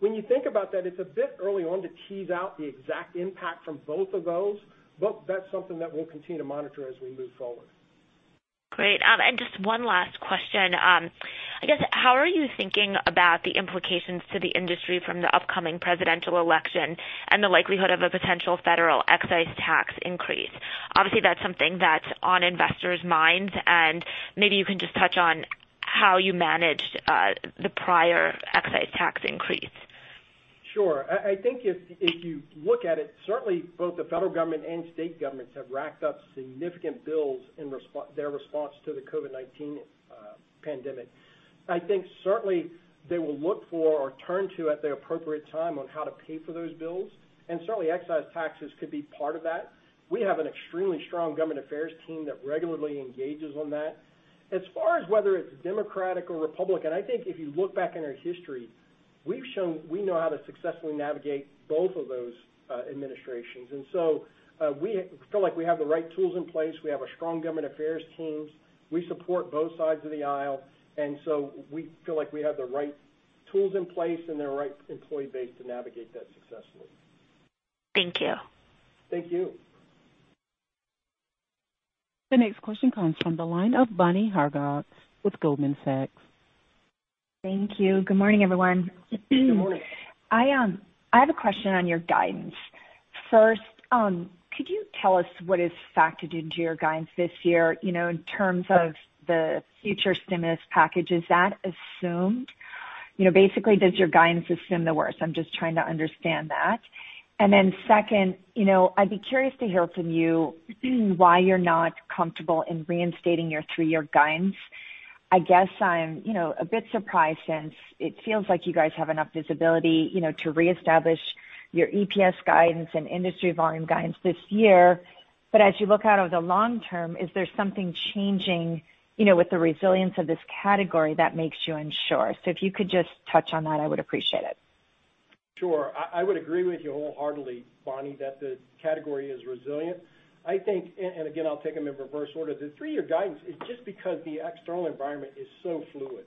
When you think about that, it's a bit early on to tease out the exact impact from both of those, but that's something that we'll continue to monitor as we move forward. Great. Just one last question. I guess, how are you thinking about the implications to the industry from the upcoming Presidential election and the likelihood of a potential federal excise tax increase? Obviously, that's something that's on investors' minds, and maybe you can just touch on how you managed the prior excise tax increase. Sure. I think if you look at it, certainly both the federal government and state governments have racked up significant bills in their response to the COVID-19 Pandemic. I think certainly they will look for or turn to at the appropriate time on how to pay for those bills. Certainly excise taxes could be part of that. We have an extremely strong government affairs team that regularly engages on that. As far as whether it's Democratic or Republican, I think if you look back in our history, we've shown we know how to successfully navigate both of those administrations. We feel like we have the right tools in place. We have a strong government affairs teams. We support both sides of the aisle. We feel like we have the right tools in place and the right employee base to navigate that successfully. Thank you. Thank you. The next question comes from the line of Bonnie Herzog with Goldman Sachs. Thank you. Good morning, everyone. Good morning. I have a question on your guidance. First, could you tell us what is factored into your guidance this year, in terms of the future stimulus package? Is that assumed? Basically, does your guidance assume the worst? I'm just trying to understand that. Second, I'd be curious to hear from you, why you're not comfortable in reinstating your three-year guidance. I guess I'm a bit surprised, since it feels like you guys have enough visibility to reestablish your EPS guidance and industry volume guidance this year. As you look out over the long term, is there something changing with the resilience of this category that makes you unsure? If you could just touch on that, I would appreciate it. Sure. I would agree with you wholeheartedly, Bonnie, that the category is resilient. I think, again, I'll take them in reverse order. The three-year guidance is just because the external environment is so fluid.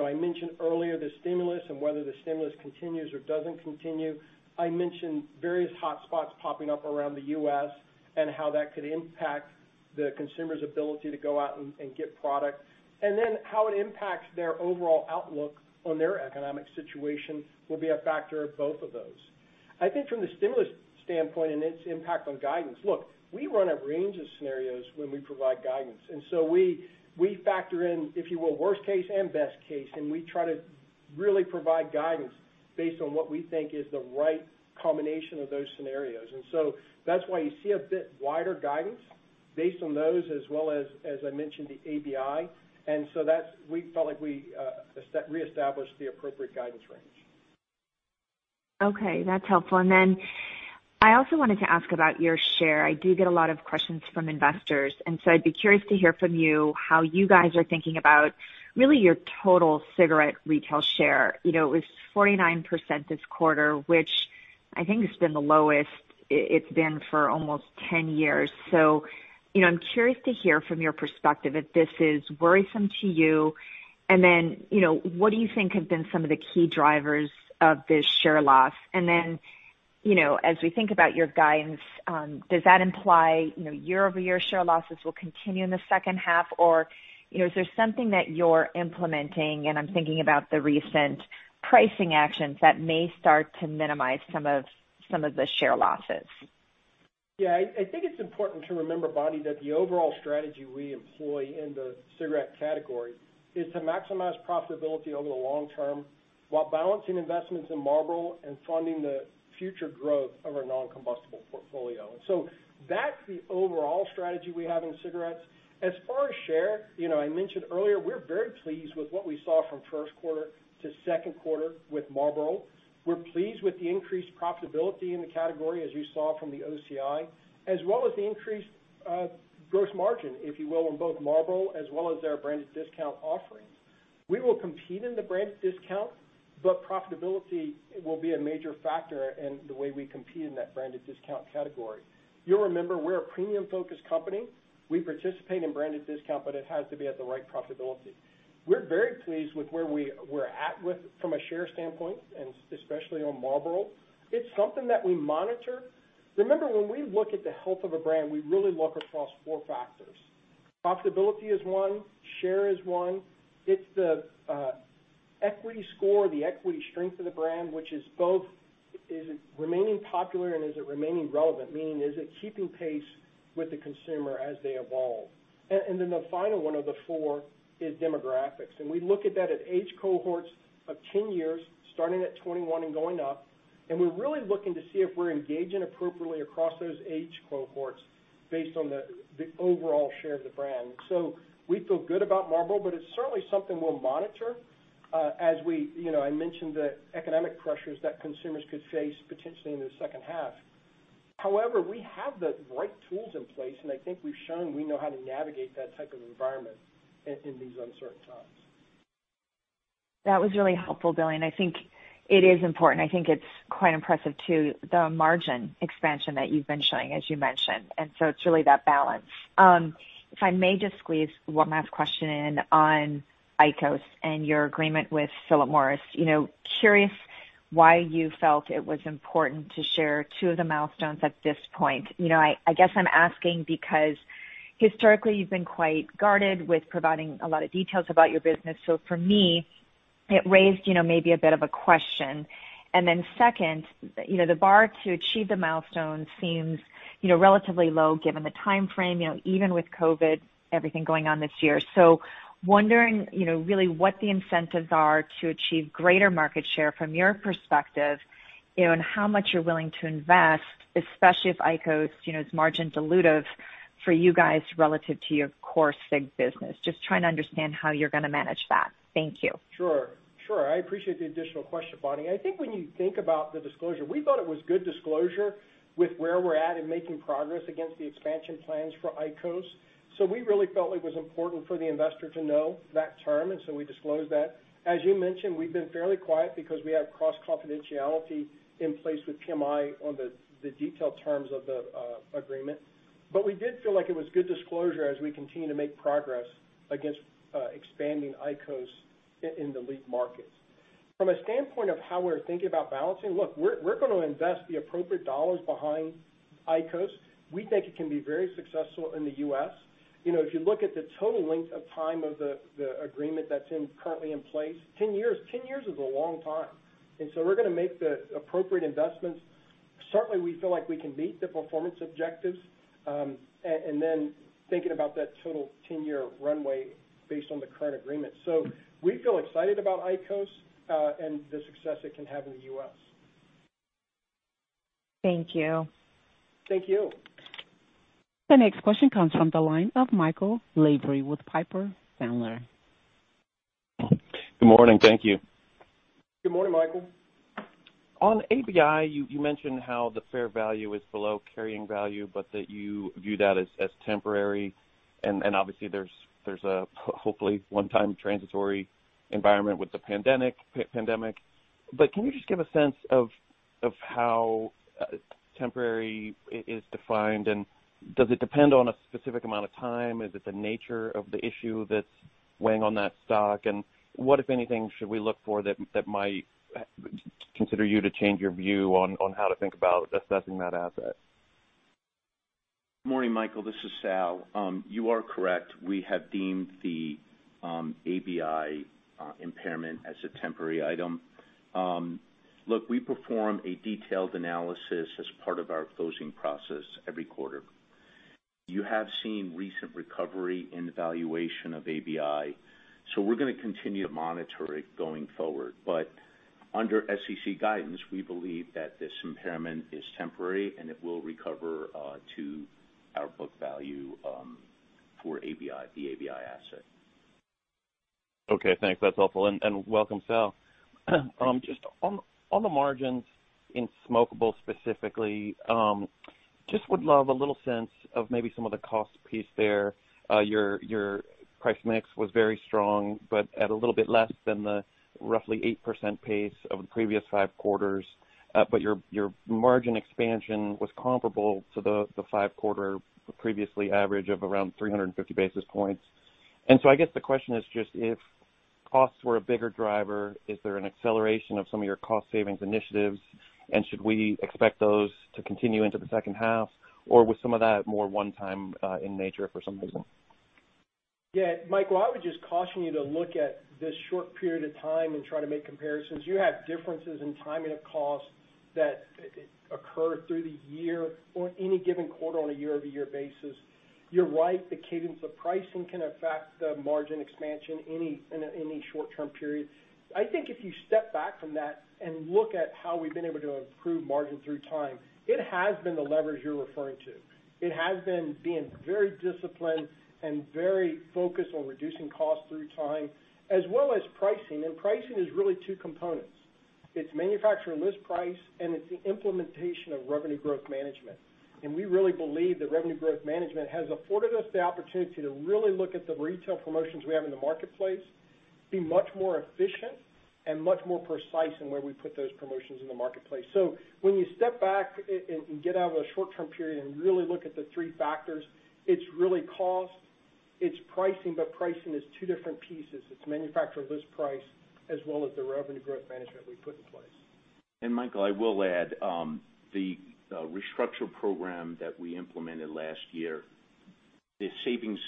I mentioned earlier the stimulus and whether the stimulus continues or doesn't continue. I mentioned various hotspots popping up around the U.S. and how that could impact the consumer's ability to go out and get product, and then how it impacts their overall outlook on their economic situation will be a factor of both of those. I think from the stimulus standpoint and its impact on guidance, look, we run a range of scenarios when we provide guidance, and so we factor in, if you will, worst case and best case, and we try to really provide guidance based on what we think is the right combination of those scenarios. That's why you see a bit wider guidance based on those as well as I mentioned the ABI. We felt like we reestablished the appropriate guidance range. Okay, that's helpful. I also wanted to ask about your share. I do get a lot of questions from investors. I'd be curious to hear from you how you guys are thinking about really your total cigarette retail share. It was 49% this quarter, which I think has been the lowest it's been for almost 10 years. I'm curious to hear from your perspective if this is worrisome to you. What do you think have been some of the key drivers of this share loss? As we think about your guidance, does that imply year-over-year share losses will continue in the second half? Is there something that you're implementing, and I'm thinking about the recent pricing actions that may start to minimize some of the share losses? I think it's important to remember, Bonnie, that the overall strategy we employ in the cigarette category is to maximize profitability over the long term while balancing investments in Marlboro and funding the future growth of our non-combustible portfolio. That's the overall strategy we have in cigarettes. As far as share, I mentioned earlier we're very pleased with what we saw from first quarter to second quarter with Marlboro. We're pleased with the increased profitability in the category, as you saw from the OCI, as well as the increased gross margin, if you will, on both Marlboro as well as our branded discount offerings. We will compete in the branded discount, but profitability will be a major factor in the way we compete in that branded discount category. You'll remember we're a premium-focused company. We participate in branded discount, it has to be at the right profitability. We're very pleased with where we're at with from a share standpoint, especially on Marlboro. It's something that we monitor. Remember, when we look at the health of a brand, we really look across four factors. Profitability is one, share is one. It's the equity score, the equity strength of the brand, which is both is it remaining popular and is it remaining relevant, meaning is it keeping pace with the consumer as they evolve? The final one of the four is demographics. We look at that at age cohorts of 10 years, starting at 21 and going up. We're really looking to see if we're engaging appropriately across those age cohorts based on the overall share of the brand. We feel good about Marlboro, but it's certainly something we'll monitor. I mentioned the economic pressures that consumers could face potentially in the second half. However, we have the right tools in place, and I think we've shown we know how to navigate that type of environment in these uncertain times. That was really helpful, Billy, and I think it is important. I think it's quite impressive too, the margin expansion that you've been showing, as you mentioned, and so it's really that balance. If I may just squeeze one last question in on IQOS and your agreement with Philip Morris. Curious why you felt it was important to share two of the milestones at this point. I guess I'm asking because historically you've been quite guarded with providing a lot of details about your business. For me, it raised maybe a bit of a question. Second, the bar to achieve the milestone seems relatively low given the timeframe, even with COVID, everything going on this year. Wondering really what the incentives are to achieve greater market share from your perspective, and how much you're willing to invest, especially if IQOS, it's margin dilutive for you guys relative to your core cig business. Just trying to understand how you're going to manage that. Thank you. Sure. I appreciate the additional question, Bonnie. I think when you think about the disclosure, we thought it was good disclosure with where we're at in making progress against the expansion plans for IQOS. We really felt it was important for the investor to know that term. We disclosed that. As you mentioned, we've been fairly quiet because we have cross confidentiality in place with PMI on the detailed terms of the agreement. We did feel like it was good disclosure as we continue to make progress against expanding IQOS in the lead markets. From a standpoint of how we're thinking about balancing, look, we're going to invest the appropriate dollars behind IQOS. We think it can be very successful in the U.S. If you look at the total length of time of the agreement that's currently in place, 10 years. Ten years is a long time, and so we're going to make the appropriate investments. Certainly, we feel like we can meet the performance objectives, and then thinking about that total 10-year runway based on the current agreement. We feel excited about IQOS, and the success it can have in the U.S. Thank you. Thank you. The next question comes from the line of Michael Lavery with Piper Sandler. Good morning. Thank you. Good morning, Michael. On ABI, you mentioned how the fair value is below carrying value, but that you view that as temporary, and obviously, there's a, hopefully, one-time transitory environment with the pandemic. Can you just give a sense of how temporary is defined, and does it depend on a specific amount of time? Is it the nature of the issue that's weighing on that stock? What, if anything, should we look for that might consider you to change your view on how to think about assessing that asset? Morning, Michael. This is Sal. You are correct. We have deemed the ABI impairment as a temporary item. Look, we perform a detailed analysis as part of our closing process every quarter. You have seen recent recovery in the valuation of ABI. We're going to continue to monitor it going forward. Under SEC guidance, we believe that this impairment is temporary, and it will recover to our book value for the ABI asset. Okay, thanks. That's helpful. Welcome, Sal. Just on the margins in smokeable specifically, just would love a little sense of maybe some of the cost piece there. Your price mix was very strong, but at a little bit less than the roughly 8% pace of the previous five quarters. Your margin expansion was comparable to the five quarter previously average of around 350 basis points. I guess the question is just if costs were a bigger driver, is there an acceleration of some of your cost savings initiatives, and should we expect those to continue into the second half? Or was some of that more one time in nature for some reason? Yeah, Michael, I would just caution you to look at this short period of time and try to make comparisons. You have differences in timing of costs that occur through the year or any given quarter on a year-over-year basis. You're right, the cadence of pricing can affect the margin expansion in any short-term period. I think if you step back from that and look at how we've been able to improve margin through time, it has been the leverage you're referring to. It has been being very disciplined and very focused on reducing costs through time, as well as pricing. Pricing is really two components. It's manufacturing list price, and it's the implementation of revenue growth management. We really believe that revenue growth management has afforded us the opportunity to really look at the retail promotions we have in the marketplace, be much more efficient and much more precise in where we put those promotions in the marketplace. When you step back and get out of a short-term period and really look at the three factors, it's really cost, it's pricing, but pricing is two different pieces. It's manufacturer list price as well as the revenue growth management we put in place. Michael, I will add, the restructure program that we implemented last year, the savings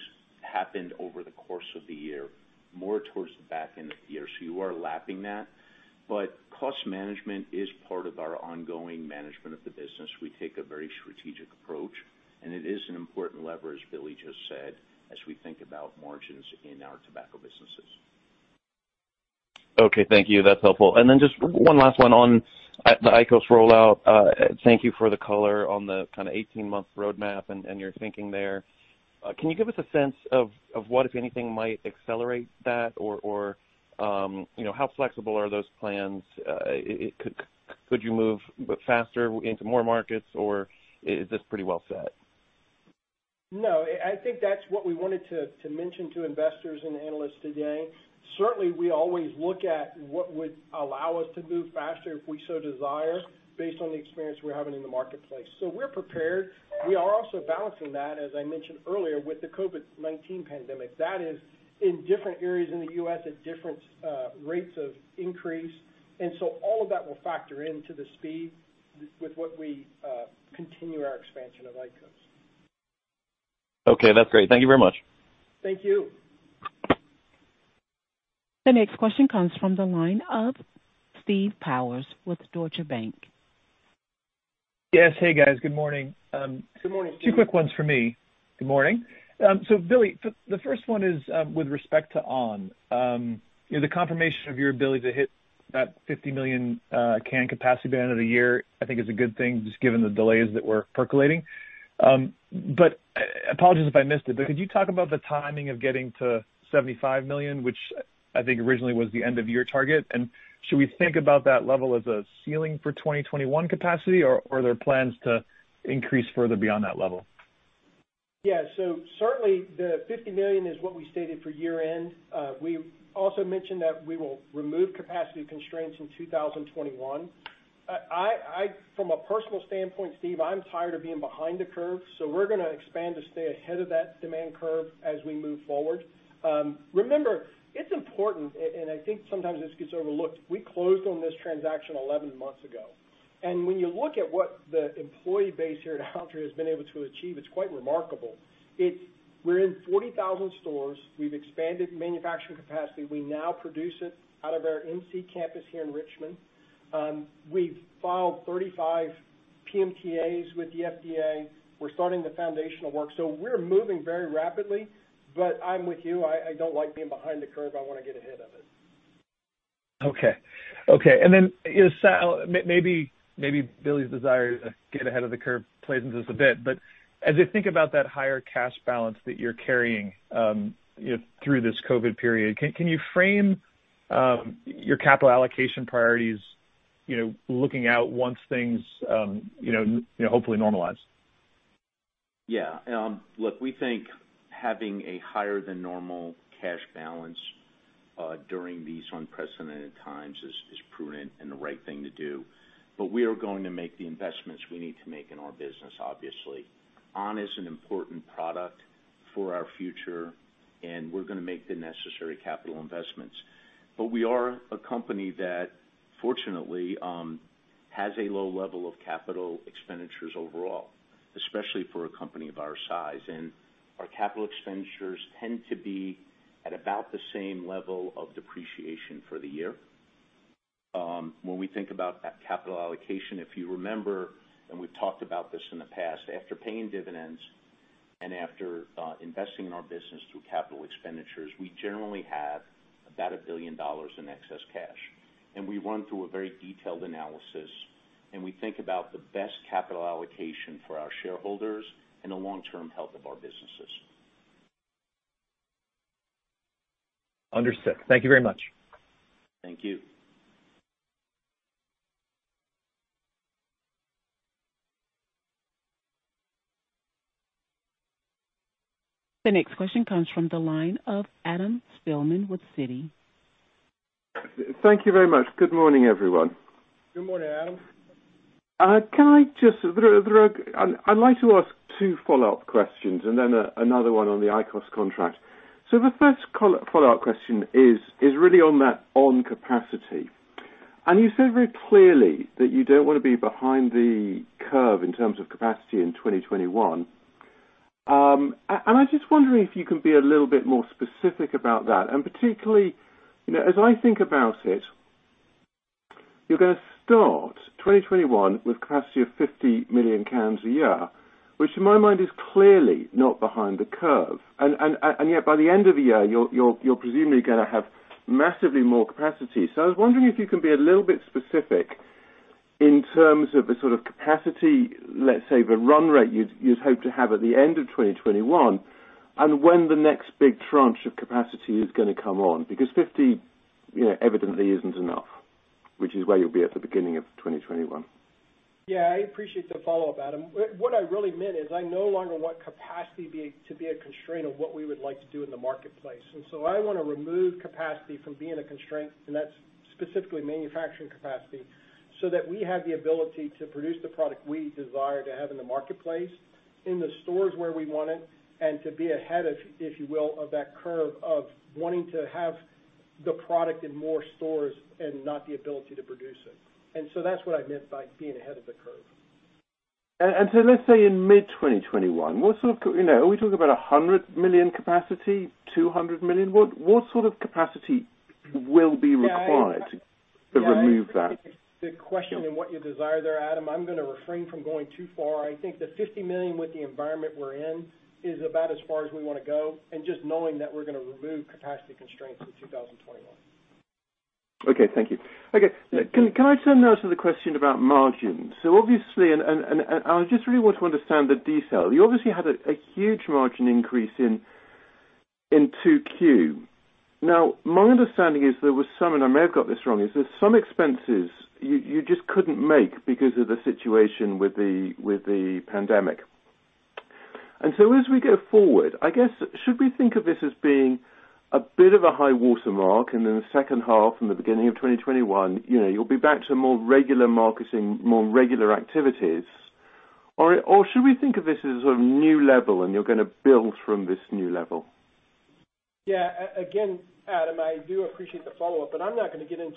happened over the course of the year, more towards the back end of the year. You are lapping that. Cost management is part of our ongoing management of the business. We take a very strategic approach, and it is an important lever, as Billy just said, as we think about margins in our tobacco businesses. Okay, thank you. That's helpful. Just one last one on the IQOS rollout. Thank you for the color on the 18-month roadmap and your thinking there. Can you give us a sense of what, if anything, might accelerate that? How flexible are those plans? Could you move faster into more markets, or is this pretty well set? I think that's what we wanted to mention to investors and analysts today. Certainly, we always look at what would allow us to move faster if we so desire, based on the experience we're having in the marketplace. We're prepared. We are also balancing that, as I mentioned earlier, with the COVID-19 pandemic. That is in different areas in the U.S. at different rates of increase. All of that will factor into the speed with what we continue our expansion of IQOS. Okay, that's great. Thank you very much. Thank you. The next question comes from the line of Steve Powers with Deutsche Bank. Yes. Hey, guys. Good morning. Good morning, Steve. Two quick ones for me. Good morning. Billy, the first one is with respect to on!. The confirmation of your ability to hit that 50 million can capacity by the end of the year, I think is a good thing, just given the delays that we're percolating. Apologies if I missed it, but could you talk about the timing of getting to 75 million, which I think originally was the end of year target? Should we think about that level as a ceiling for 2021 capacity or are there plans to increase further beyond that level? Yeah. Certainly the 50 million is what we stated for year-end. We also mentioned that we will remove capacity constraints in 2021. From a personal standpoint, Steve, I'm tired of being behind the curve, we're going to expand to stay ahead of that demand curve as we move forward. Remember, it's important, I think sometimes this gets overlooked, we closed on this transaction 11 months ago. When you look at what the employee base here at Altria has been able to achieve, it's quite remarkable. We're in 40,000 stores. We've expanded manufacturing capacity. We now produce it out of our MC campus here in Richmond. We've filed 35 PMTAs with the FDA. We're starting the foundational work. We're moving very rapidly. I'm with you, I don't like being behind the curve. I want to get ahead of it. Okay. Sal, maybe Billy's desire to get ahead of the curve plays into this a bit, as I think about that higher cash balance that you're carrying through this COVID period, can you frame your capital allocation priorities, looking out once things hopefully normalize? Look, we think having a higher than normal cash balance during these unprecedented times is prudent and the right thing to do. We are going to make the investments we need to make in our business, obviously. on! is an important product for our future, and we're going to make the necessary capital investments. We are a company that, fortunately, has a low level of capital expenditures overall, especially for a company of our size. Our capital expenditures tend to be at about the same level of depreciation for the year. When we think about that capital allocation, if you remember, and we've talked about this in the past, after paying dividends and after investing in our business through capital expenditures, we generally have about a billion dollar in excess cash. We run through a very detailed analysis, and we think about the best capital allocation for our shareholders and the long-term health of our businesses. Understood. Thank you very much. Thank you. The next question comes from the line of Adam Spielman with Citi. Thank you very much. Good morning, everyone. Good morning, Adam. I'd like to ask two follow-up questions and then another one on the IQOS contract. The first follow-up question is really on that on! capacity. You said very clearly that you don't want to be behind the curve in terms of capacity in 2021. I'm just wondering if you can be a little bit more specific about that, and particularly, as I think about it, you're going to start 2021 with capacity of 50 million cans a year, which in my mind is clearly not behind the curve. Yet by the end of the year, you're presumably going to have massively more capacity. I was wondering if you can be a little bit specific in terms of the sort of capacity, let's say, the run-rate you'd hope to have at the end of 2021 and when the next big tranche of capacity is going to come on, because 50 million evidently isn't enough, which is where you'll be at the beginning of 2021. Yeah, I appreciate the follow-up, Adam. What I really meant is I no longer want capacity to be a constraint of what we would like to do in the marketplace. I want to remove capacity from being a constraint, and that's specifically manufacturing capacity, so that we have the ability to produce the product we desire to have in the marketplace, in the stores where we want it, and to be ahead, if you will, of that curve of wanting to have the product in more stores and not the ability to produce it. That's what I meant by being ahead of the curve. Let's say in mid-2021, are we talking about 100 million capacity, 200 million? What sort of capacity will be required to remove that? Good question and what you desire there, Adam. I'm going to refrain from going too far. I think the 50 million with the environment we're in is about as far as we want to go, and just knowing that we're going to remove capacity constraints in 2021. Okay, thank you. Okay, can I turn now to the question about margins? Obviously, and I just really want to understand the detail. You obviously had a huge margin increase in 2Q. My understanding is there was some, and I may have got this wrong, is there's some expenses you just couldn't make because of the situation with the pandemic. As we go forward, I guess, should we think of this as being a bit of a high water mark and in the second half, from the beginning of 2021, you'll be back to more regular marketing, more regular activities? Should we think of this as a new level and you're going to build from this new level? Again, Adam, I do appreciate the follow-up. I'm not going to get into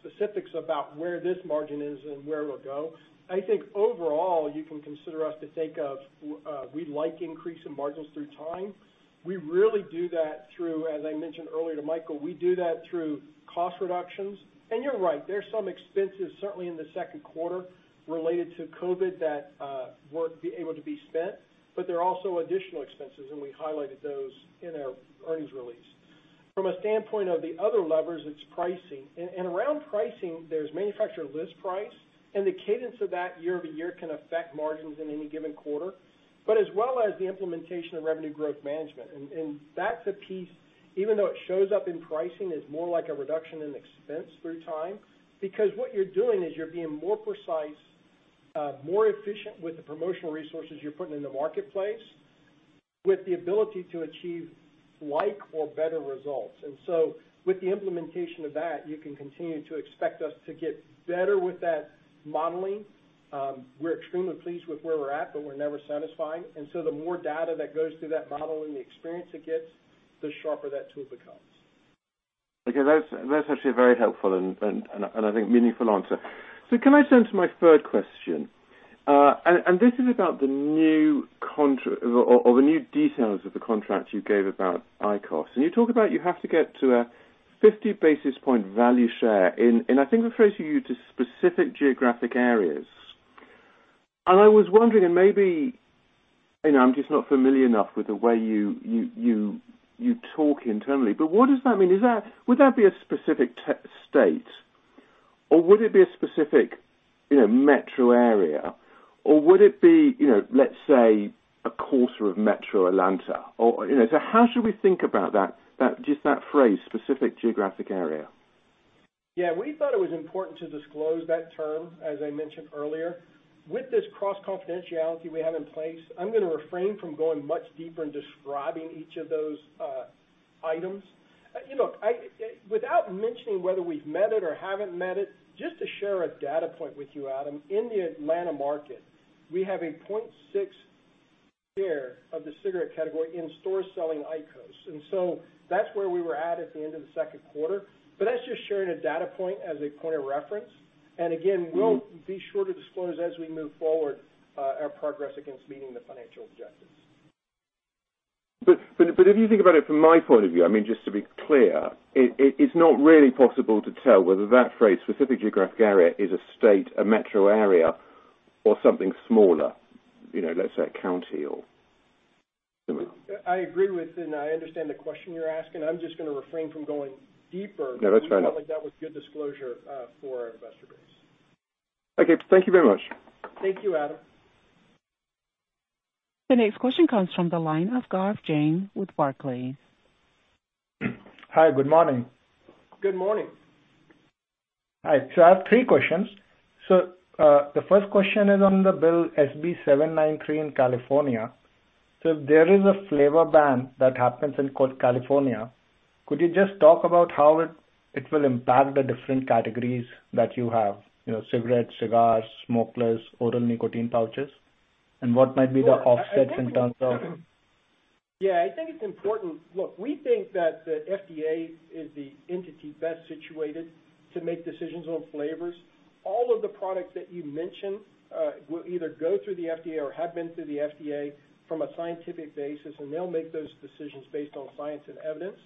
specifics about where this margin is and where it'll go. I think overall, you can consider us to think of, we like increase in margins through time. We really do that through, as I mentioned earlier to Michael, we do that through cost reductions. You're right, there's some expenses certainly in the second quarter related to COVID that weren't able to be spent. There are also additional expenses. We highlighted those in our earnings release. From a standpoint of the other levers, it's pricing. Around pricing, there's manufacturer list price, and the cadence of that year-over-year can affect margins in any given quarter, as well as the implementation of revenue growth management. That's a piece, even though it shows up in pricing, is more like a reduction in expense through time. Because what you're doing is you're being more precise, more efficient with the promotional resources you're putting in the marketplace, with the ability to achieve like or better results. With the implementation of that, you can continue to expect us to get better with that modeling. We're extremely pleased with where we're at, but we're never satisfied. The more data that goes through that model and the experience it gets, the sharper that tool becomes. Okay. That's actually very helpful and I think meaningful answer. Can I turn to my third question? This is about the new details of the contract you gave about IQOS. You talk about you have to get to a 50 basis point value share in, I think referring to you to specific geographic areas. I was wondering, and maybe I'm just not familiar enough with the way you talk internally, but what does that mean? Would that be a specific state or would it be a specific metro area? Or would it be, let's say, a quarter of Metro Atlanta? How should we think about that, just that phrase, specific geographic area? Yeah. We thought it was important to disclose that term, as I mentioned earlier. With this cross confidentiality we have in place, I'm going to refrain from going much deeper in describing each of those items. Without mentioning whether we've met it or haven't met it, just to share a data point with you, Adam. In the Atlanta market, we have a 0.6% share of the cigarette category in stores selling IQOS. So that's where we were at at the end of the second quarter. That's just sharing a data point as a point of reference. Again, we'll be sure to disclose as we move forward, our progress against meeting the financial objectives. If you think about it from my point of view, just to be clear, it's not really possible to tell whether that phrase, specific geographic area, is a state, a metro area, or something smaller, let's say a county or something. I agree with, and I understand the question you're asking. I'm just going to refrain from going deeper. No, that's fair enough. We felt like that was good disclosure for our investor base. Okay. Thank you very much. Thank you, Adam. The next question comes from the line of Gaurav Jain with Barclays. Hi. Good morning. Good morning. Hi. I have three questions. The first question is on the bill SB 793 in California. If there is a flavor ban that happens in California, could you just talk about how it will impact the different categories that you have, cigarettes, cigars, smokeless, oral nicotine pouches? What might be the offsets in terms of? Yeah, I think it's important. Look, we think that the FDA is the entity best situated to make decisions on flavors. All of the products that you mentioned, will either go through the FDA or have been through the FDA from a scientific basis, and they'll make those decisions based on science and evidence.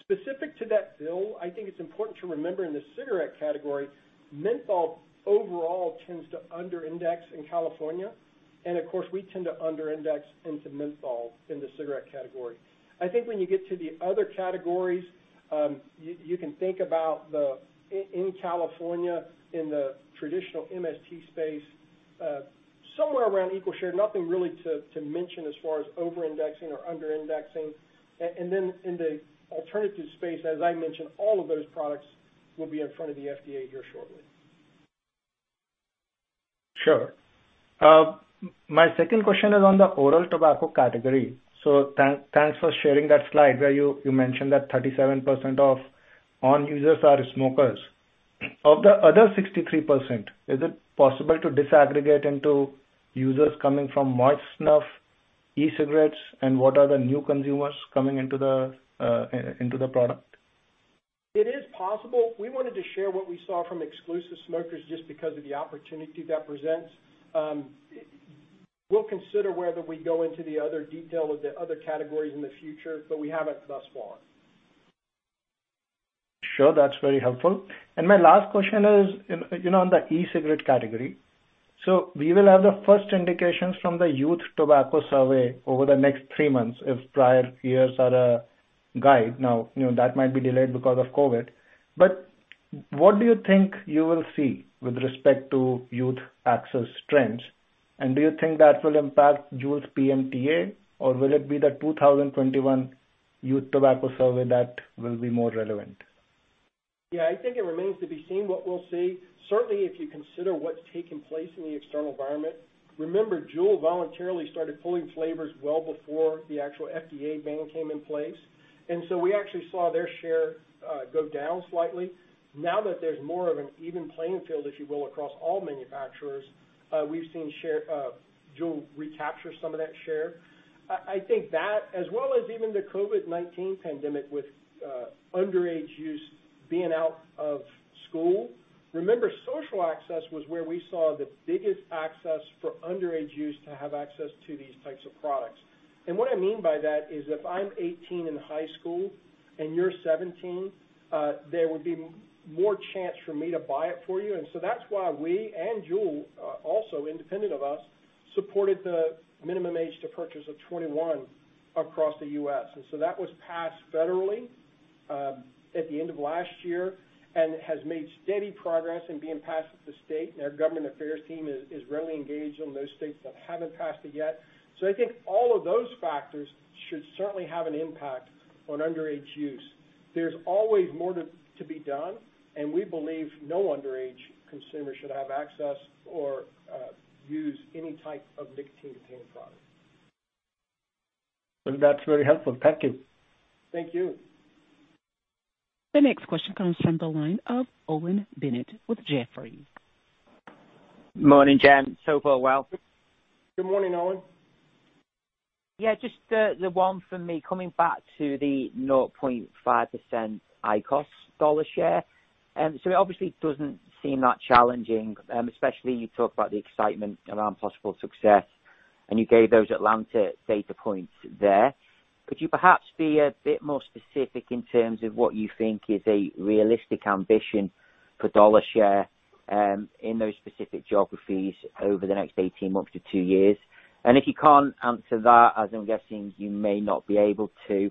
Specific to that bill, I think it's important to remember in the cigarette category, menthol overall tends to under index in California. Of course, we tend to under index into menthol in the cigarette category. I think when you get to the other categories, you can think about in California, in the traditional MST space, somewhere around equal share, nothing really to mention as far as over-indexing or under-indexing. Then in the alternative space, as I mentioned, all of those products will be in front of the FDA here shortly. Sure. My second question is on the oral tobacco category. Thanks for sharing that slide where you mentioned that 37% of on! users are smokers. Of the other 63%, is it possible to disaggregate into users coming from moist snuff, e-cigarettes, and what are the new consumers coming into the product? It is possible. We wanted to share what we saw from exclusive smokers just because of the opportunity that presents. We'll consider whether we go into the other detail of the other categories in the future, but we haven't thus far. Sure. That's very helpful. My last question is, on the e-cigarette category. We will have the first indications from the Youth Tobacco Survey over the next three months, if prior years are a guide. That might be delayed because of COVID. What do you think you will see with respect to youth access trends? Do you think that will impact JUUL's PMTA, or will it be the 2021 Youth Tobacco Survey that will be more relevant? Yeah, I think it remains to be seen what we'll see. Certainly, if you consider what's taking place in the external environment. Remember, JUUL voluntarily started pulling flavors well before the actual FDA ban came in place. So we actually saw their share go down slightly. Now that there's more of an even playing field, if you will, across all manufacturers, we've seen JUUL recapture some of that share. I think that, as well as even the COVID-19 pandemic with underage youth being out of school. Remember, social access was where we saw the biggest access for underage youth to have access to these types of products. What I mean by that is, if I'm 18 in high school and you're 17, there would be more chance for me to buy it for you. That's why we and JUUL, also independent of us supported the minimum age to purchase of 21 across the U.S. That was passed federally at the end of last year and has made steady progress in being passed at the state. Our government affairs team is really engaged on those states that haven't passed it yet. I think all of those factors should certainly have an impact on underage use. There's always more to be done, and we believe no underage consumer should have access or use any type of nicotine-contained product. Well, that's very helpful. Thank you. Thank you. The next question comes from the line of Owen Bennett with Jefferies Morning, gents. So far well. Good morning, Owen. Yeah, just the one from me. Coming back to the 0.5% IQOS dollar share. It obviously doesn't seem that challenging, especially you talk about the excitement around possible success, and you gave those Atlanta data points there. Could you perhaps be a bit more specific in terms of what you think is a realistic ambition for dollar share, in those specific geographies over the next 18 months to two years? If you can't answer that, as I'm guessing you may not be able to,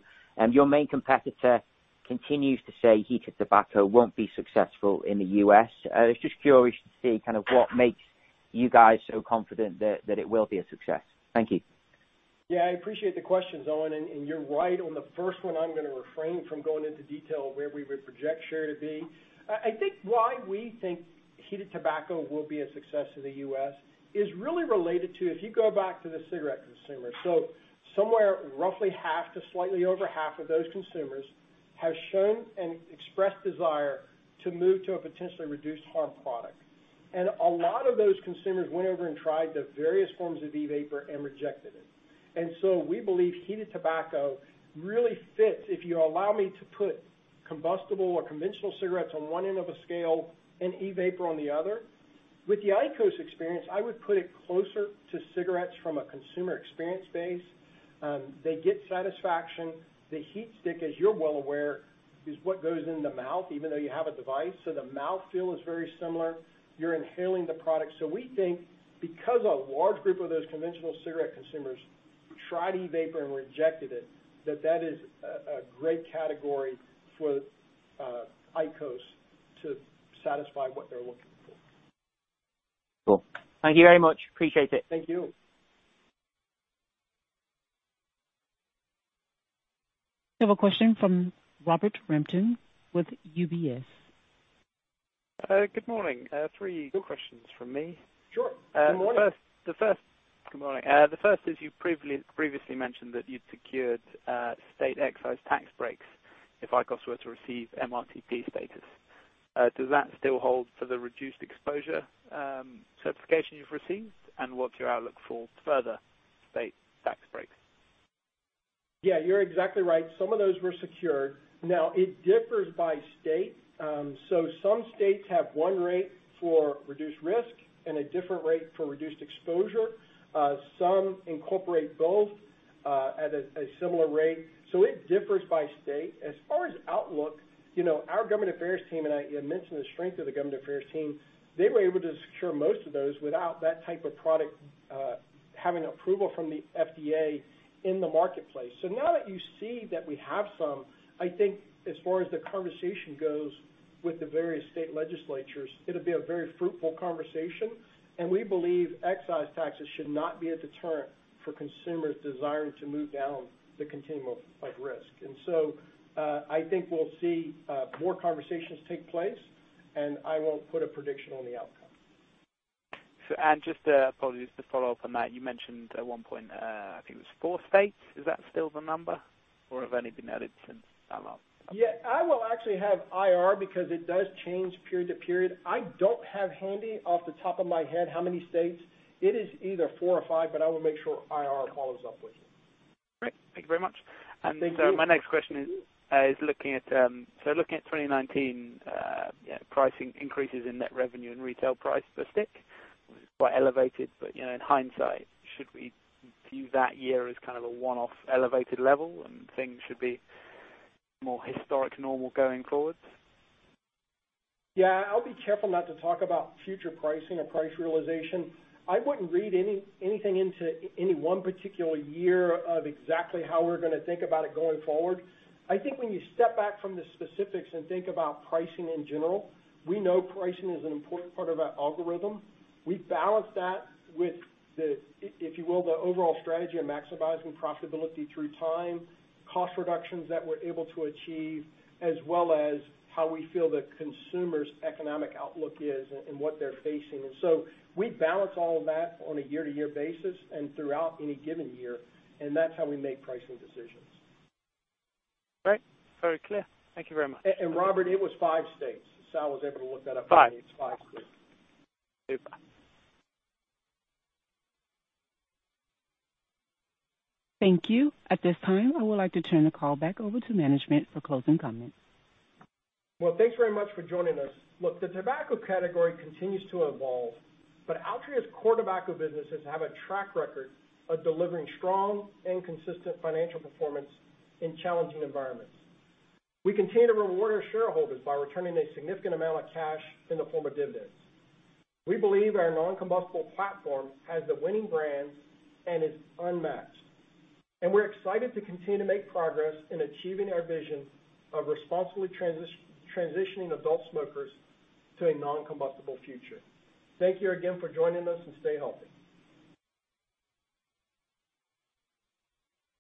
your main competitor continues to say heated tobacco won't be successful in the U.S. I was just curious to see kind of what makes you guys so confident that it will be a success. Thank you. I appreciate the question, Owen. You're right on the first one, I'm going to refrain from going into detail where we would project share to be. I think why we think heated tobacco will be a success in the U.S. is really related to if you go back to the cigarette consumer. Somewhere roughly half to slightly over half of those consumers have shown an expressed desire to move to a potentially reduced harm product. A lot of those consumers went over and tried the various forms of e-vapor and rejected it. We believe heated tobacco really fits, if you allow me to put combustible or conventional cigarettes on one end of a scale and e-vapor on the other. With the IQOS experience, I would put it closer to cigarettes from a consumer experience base. They get satisfaction. The HeatSticks, as you're well aware, is what goes in the mouth even though you have a device. The mouth feel is very similar. You're inhaling the product. We think because a large group of those conventional cigarette consumers tried e-vapor and rejected it, that that is a great category for IQOS to satisfy what they're looking for. Cool. Thank you very much. Appreciate it. Thank you. We have a question from Robert Rampton with UBS. Good morning. Three questions from me. Sure. Good morning. Good morning. The first is, you previously mentioned that you'd secured state excise tax breaks if IQOS were to receive MRTP status. Does that still hold for the reduced exposure certification you've received? What's your outlook for further state tax breaks? Yeah, you're exactly right. Some of those were secured. It differs by state. Some states have one rate for reduced risk and a different rate for reduced exposure. Some incorporate both at a similar rate. It differs by state. As far as outlook, our government affairs team, I mentioned the strength of the government affairs team, they were able to secure most of those without that type of product having approval from the FDA in the marketplace. Now that you see that we have some, I think as far as the conversation goes with the various state legislatures, it'll be a very fruitful conversation, we believe excise taxes should not be a deterrent for consumers desiring to move down the continuum of risk. I think we'll see more conversations take place, I won't put a prediction on the outcome Just, apologies, to follow up on that, you mentioned at one point, I think it was four states. Is that still the number, or have any been added since that last update? Yeah, I will actually have IR because it does change period to period. I don't have handy off the top of my head how many states. It is either four or five. I will make sure IR follows up with you. Great. Thank you very much. Thank you. My next question is looking at 2019 pricing increases in net revenue and retail price per stick, was quite elevated, but in hindsight, should we view that year as kind of a one-off elevated level and things should be more historic normal going forwards? Yeah, I'll be careful not to talk about future pricing or price realization. I wouldn't read anything into any one particular year of exactly how we're going to think about it going forward. I think when you step back from the specifics and think about pricing in general, we know pricing is an important part of our algorithm. We balance that with the, if you will, the overall strategy of maximizing profitability through time, cost reductions that we're able to achieve, as well as how we feel the consumer's economic outlook is and what they're facing. We balance all of that on a year-to-year basis and throughout any given year, and that's how we make pricing decisions. Great. Very clear. Thank you very much. Robert, it was five states. Sal was able to look that up for me. Five. It's five states. Super. Thank you. At this time, I would like to turn the call back over to management for closing comments. Well, thanks very much for joining us. Look, the tobacco category continues to evolve, but Altria's core tobacco businesses have a track record of delivering strong and consistent financial performance in challenging environments. We continue to reward our shareholders by returning a significant amount of cash in the form of dividends. We believe our non-combustible platform has the winning brands and is unmatched, and we're excited to continue to make progress in achieving our vision of responsibly transitioning adult smokers to a non-combustible future. Thank you again for joining us, and stay healthy.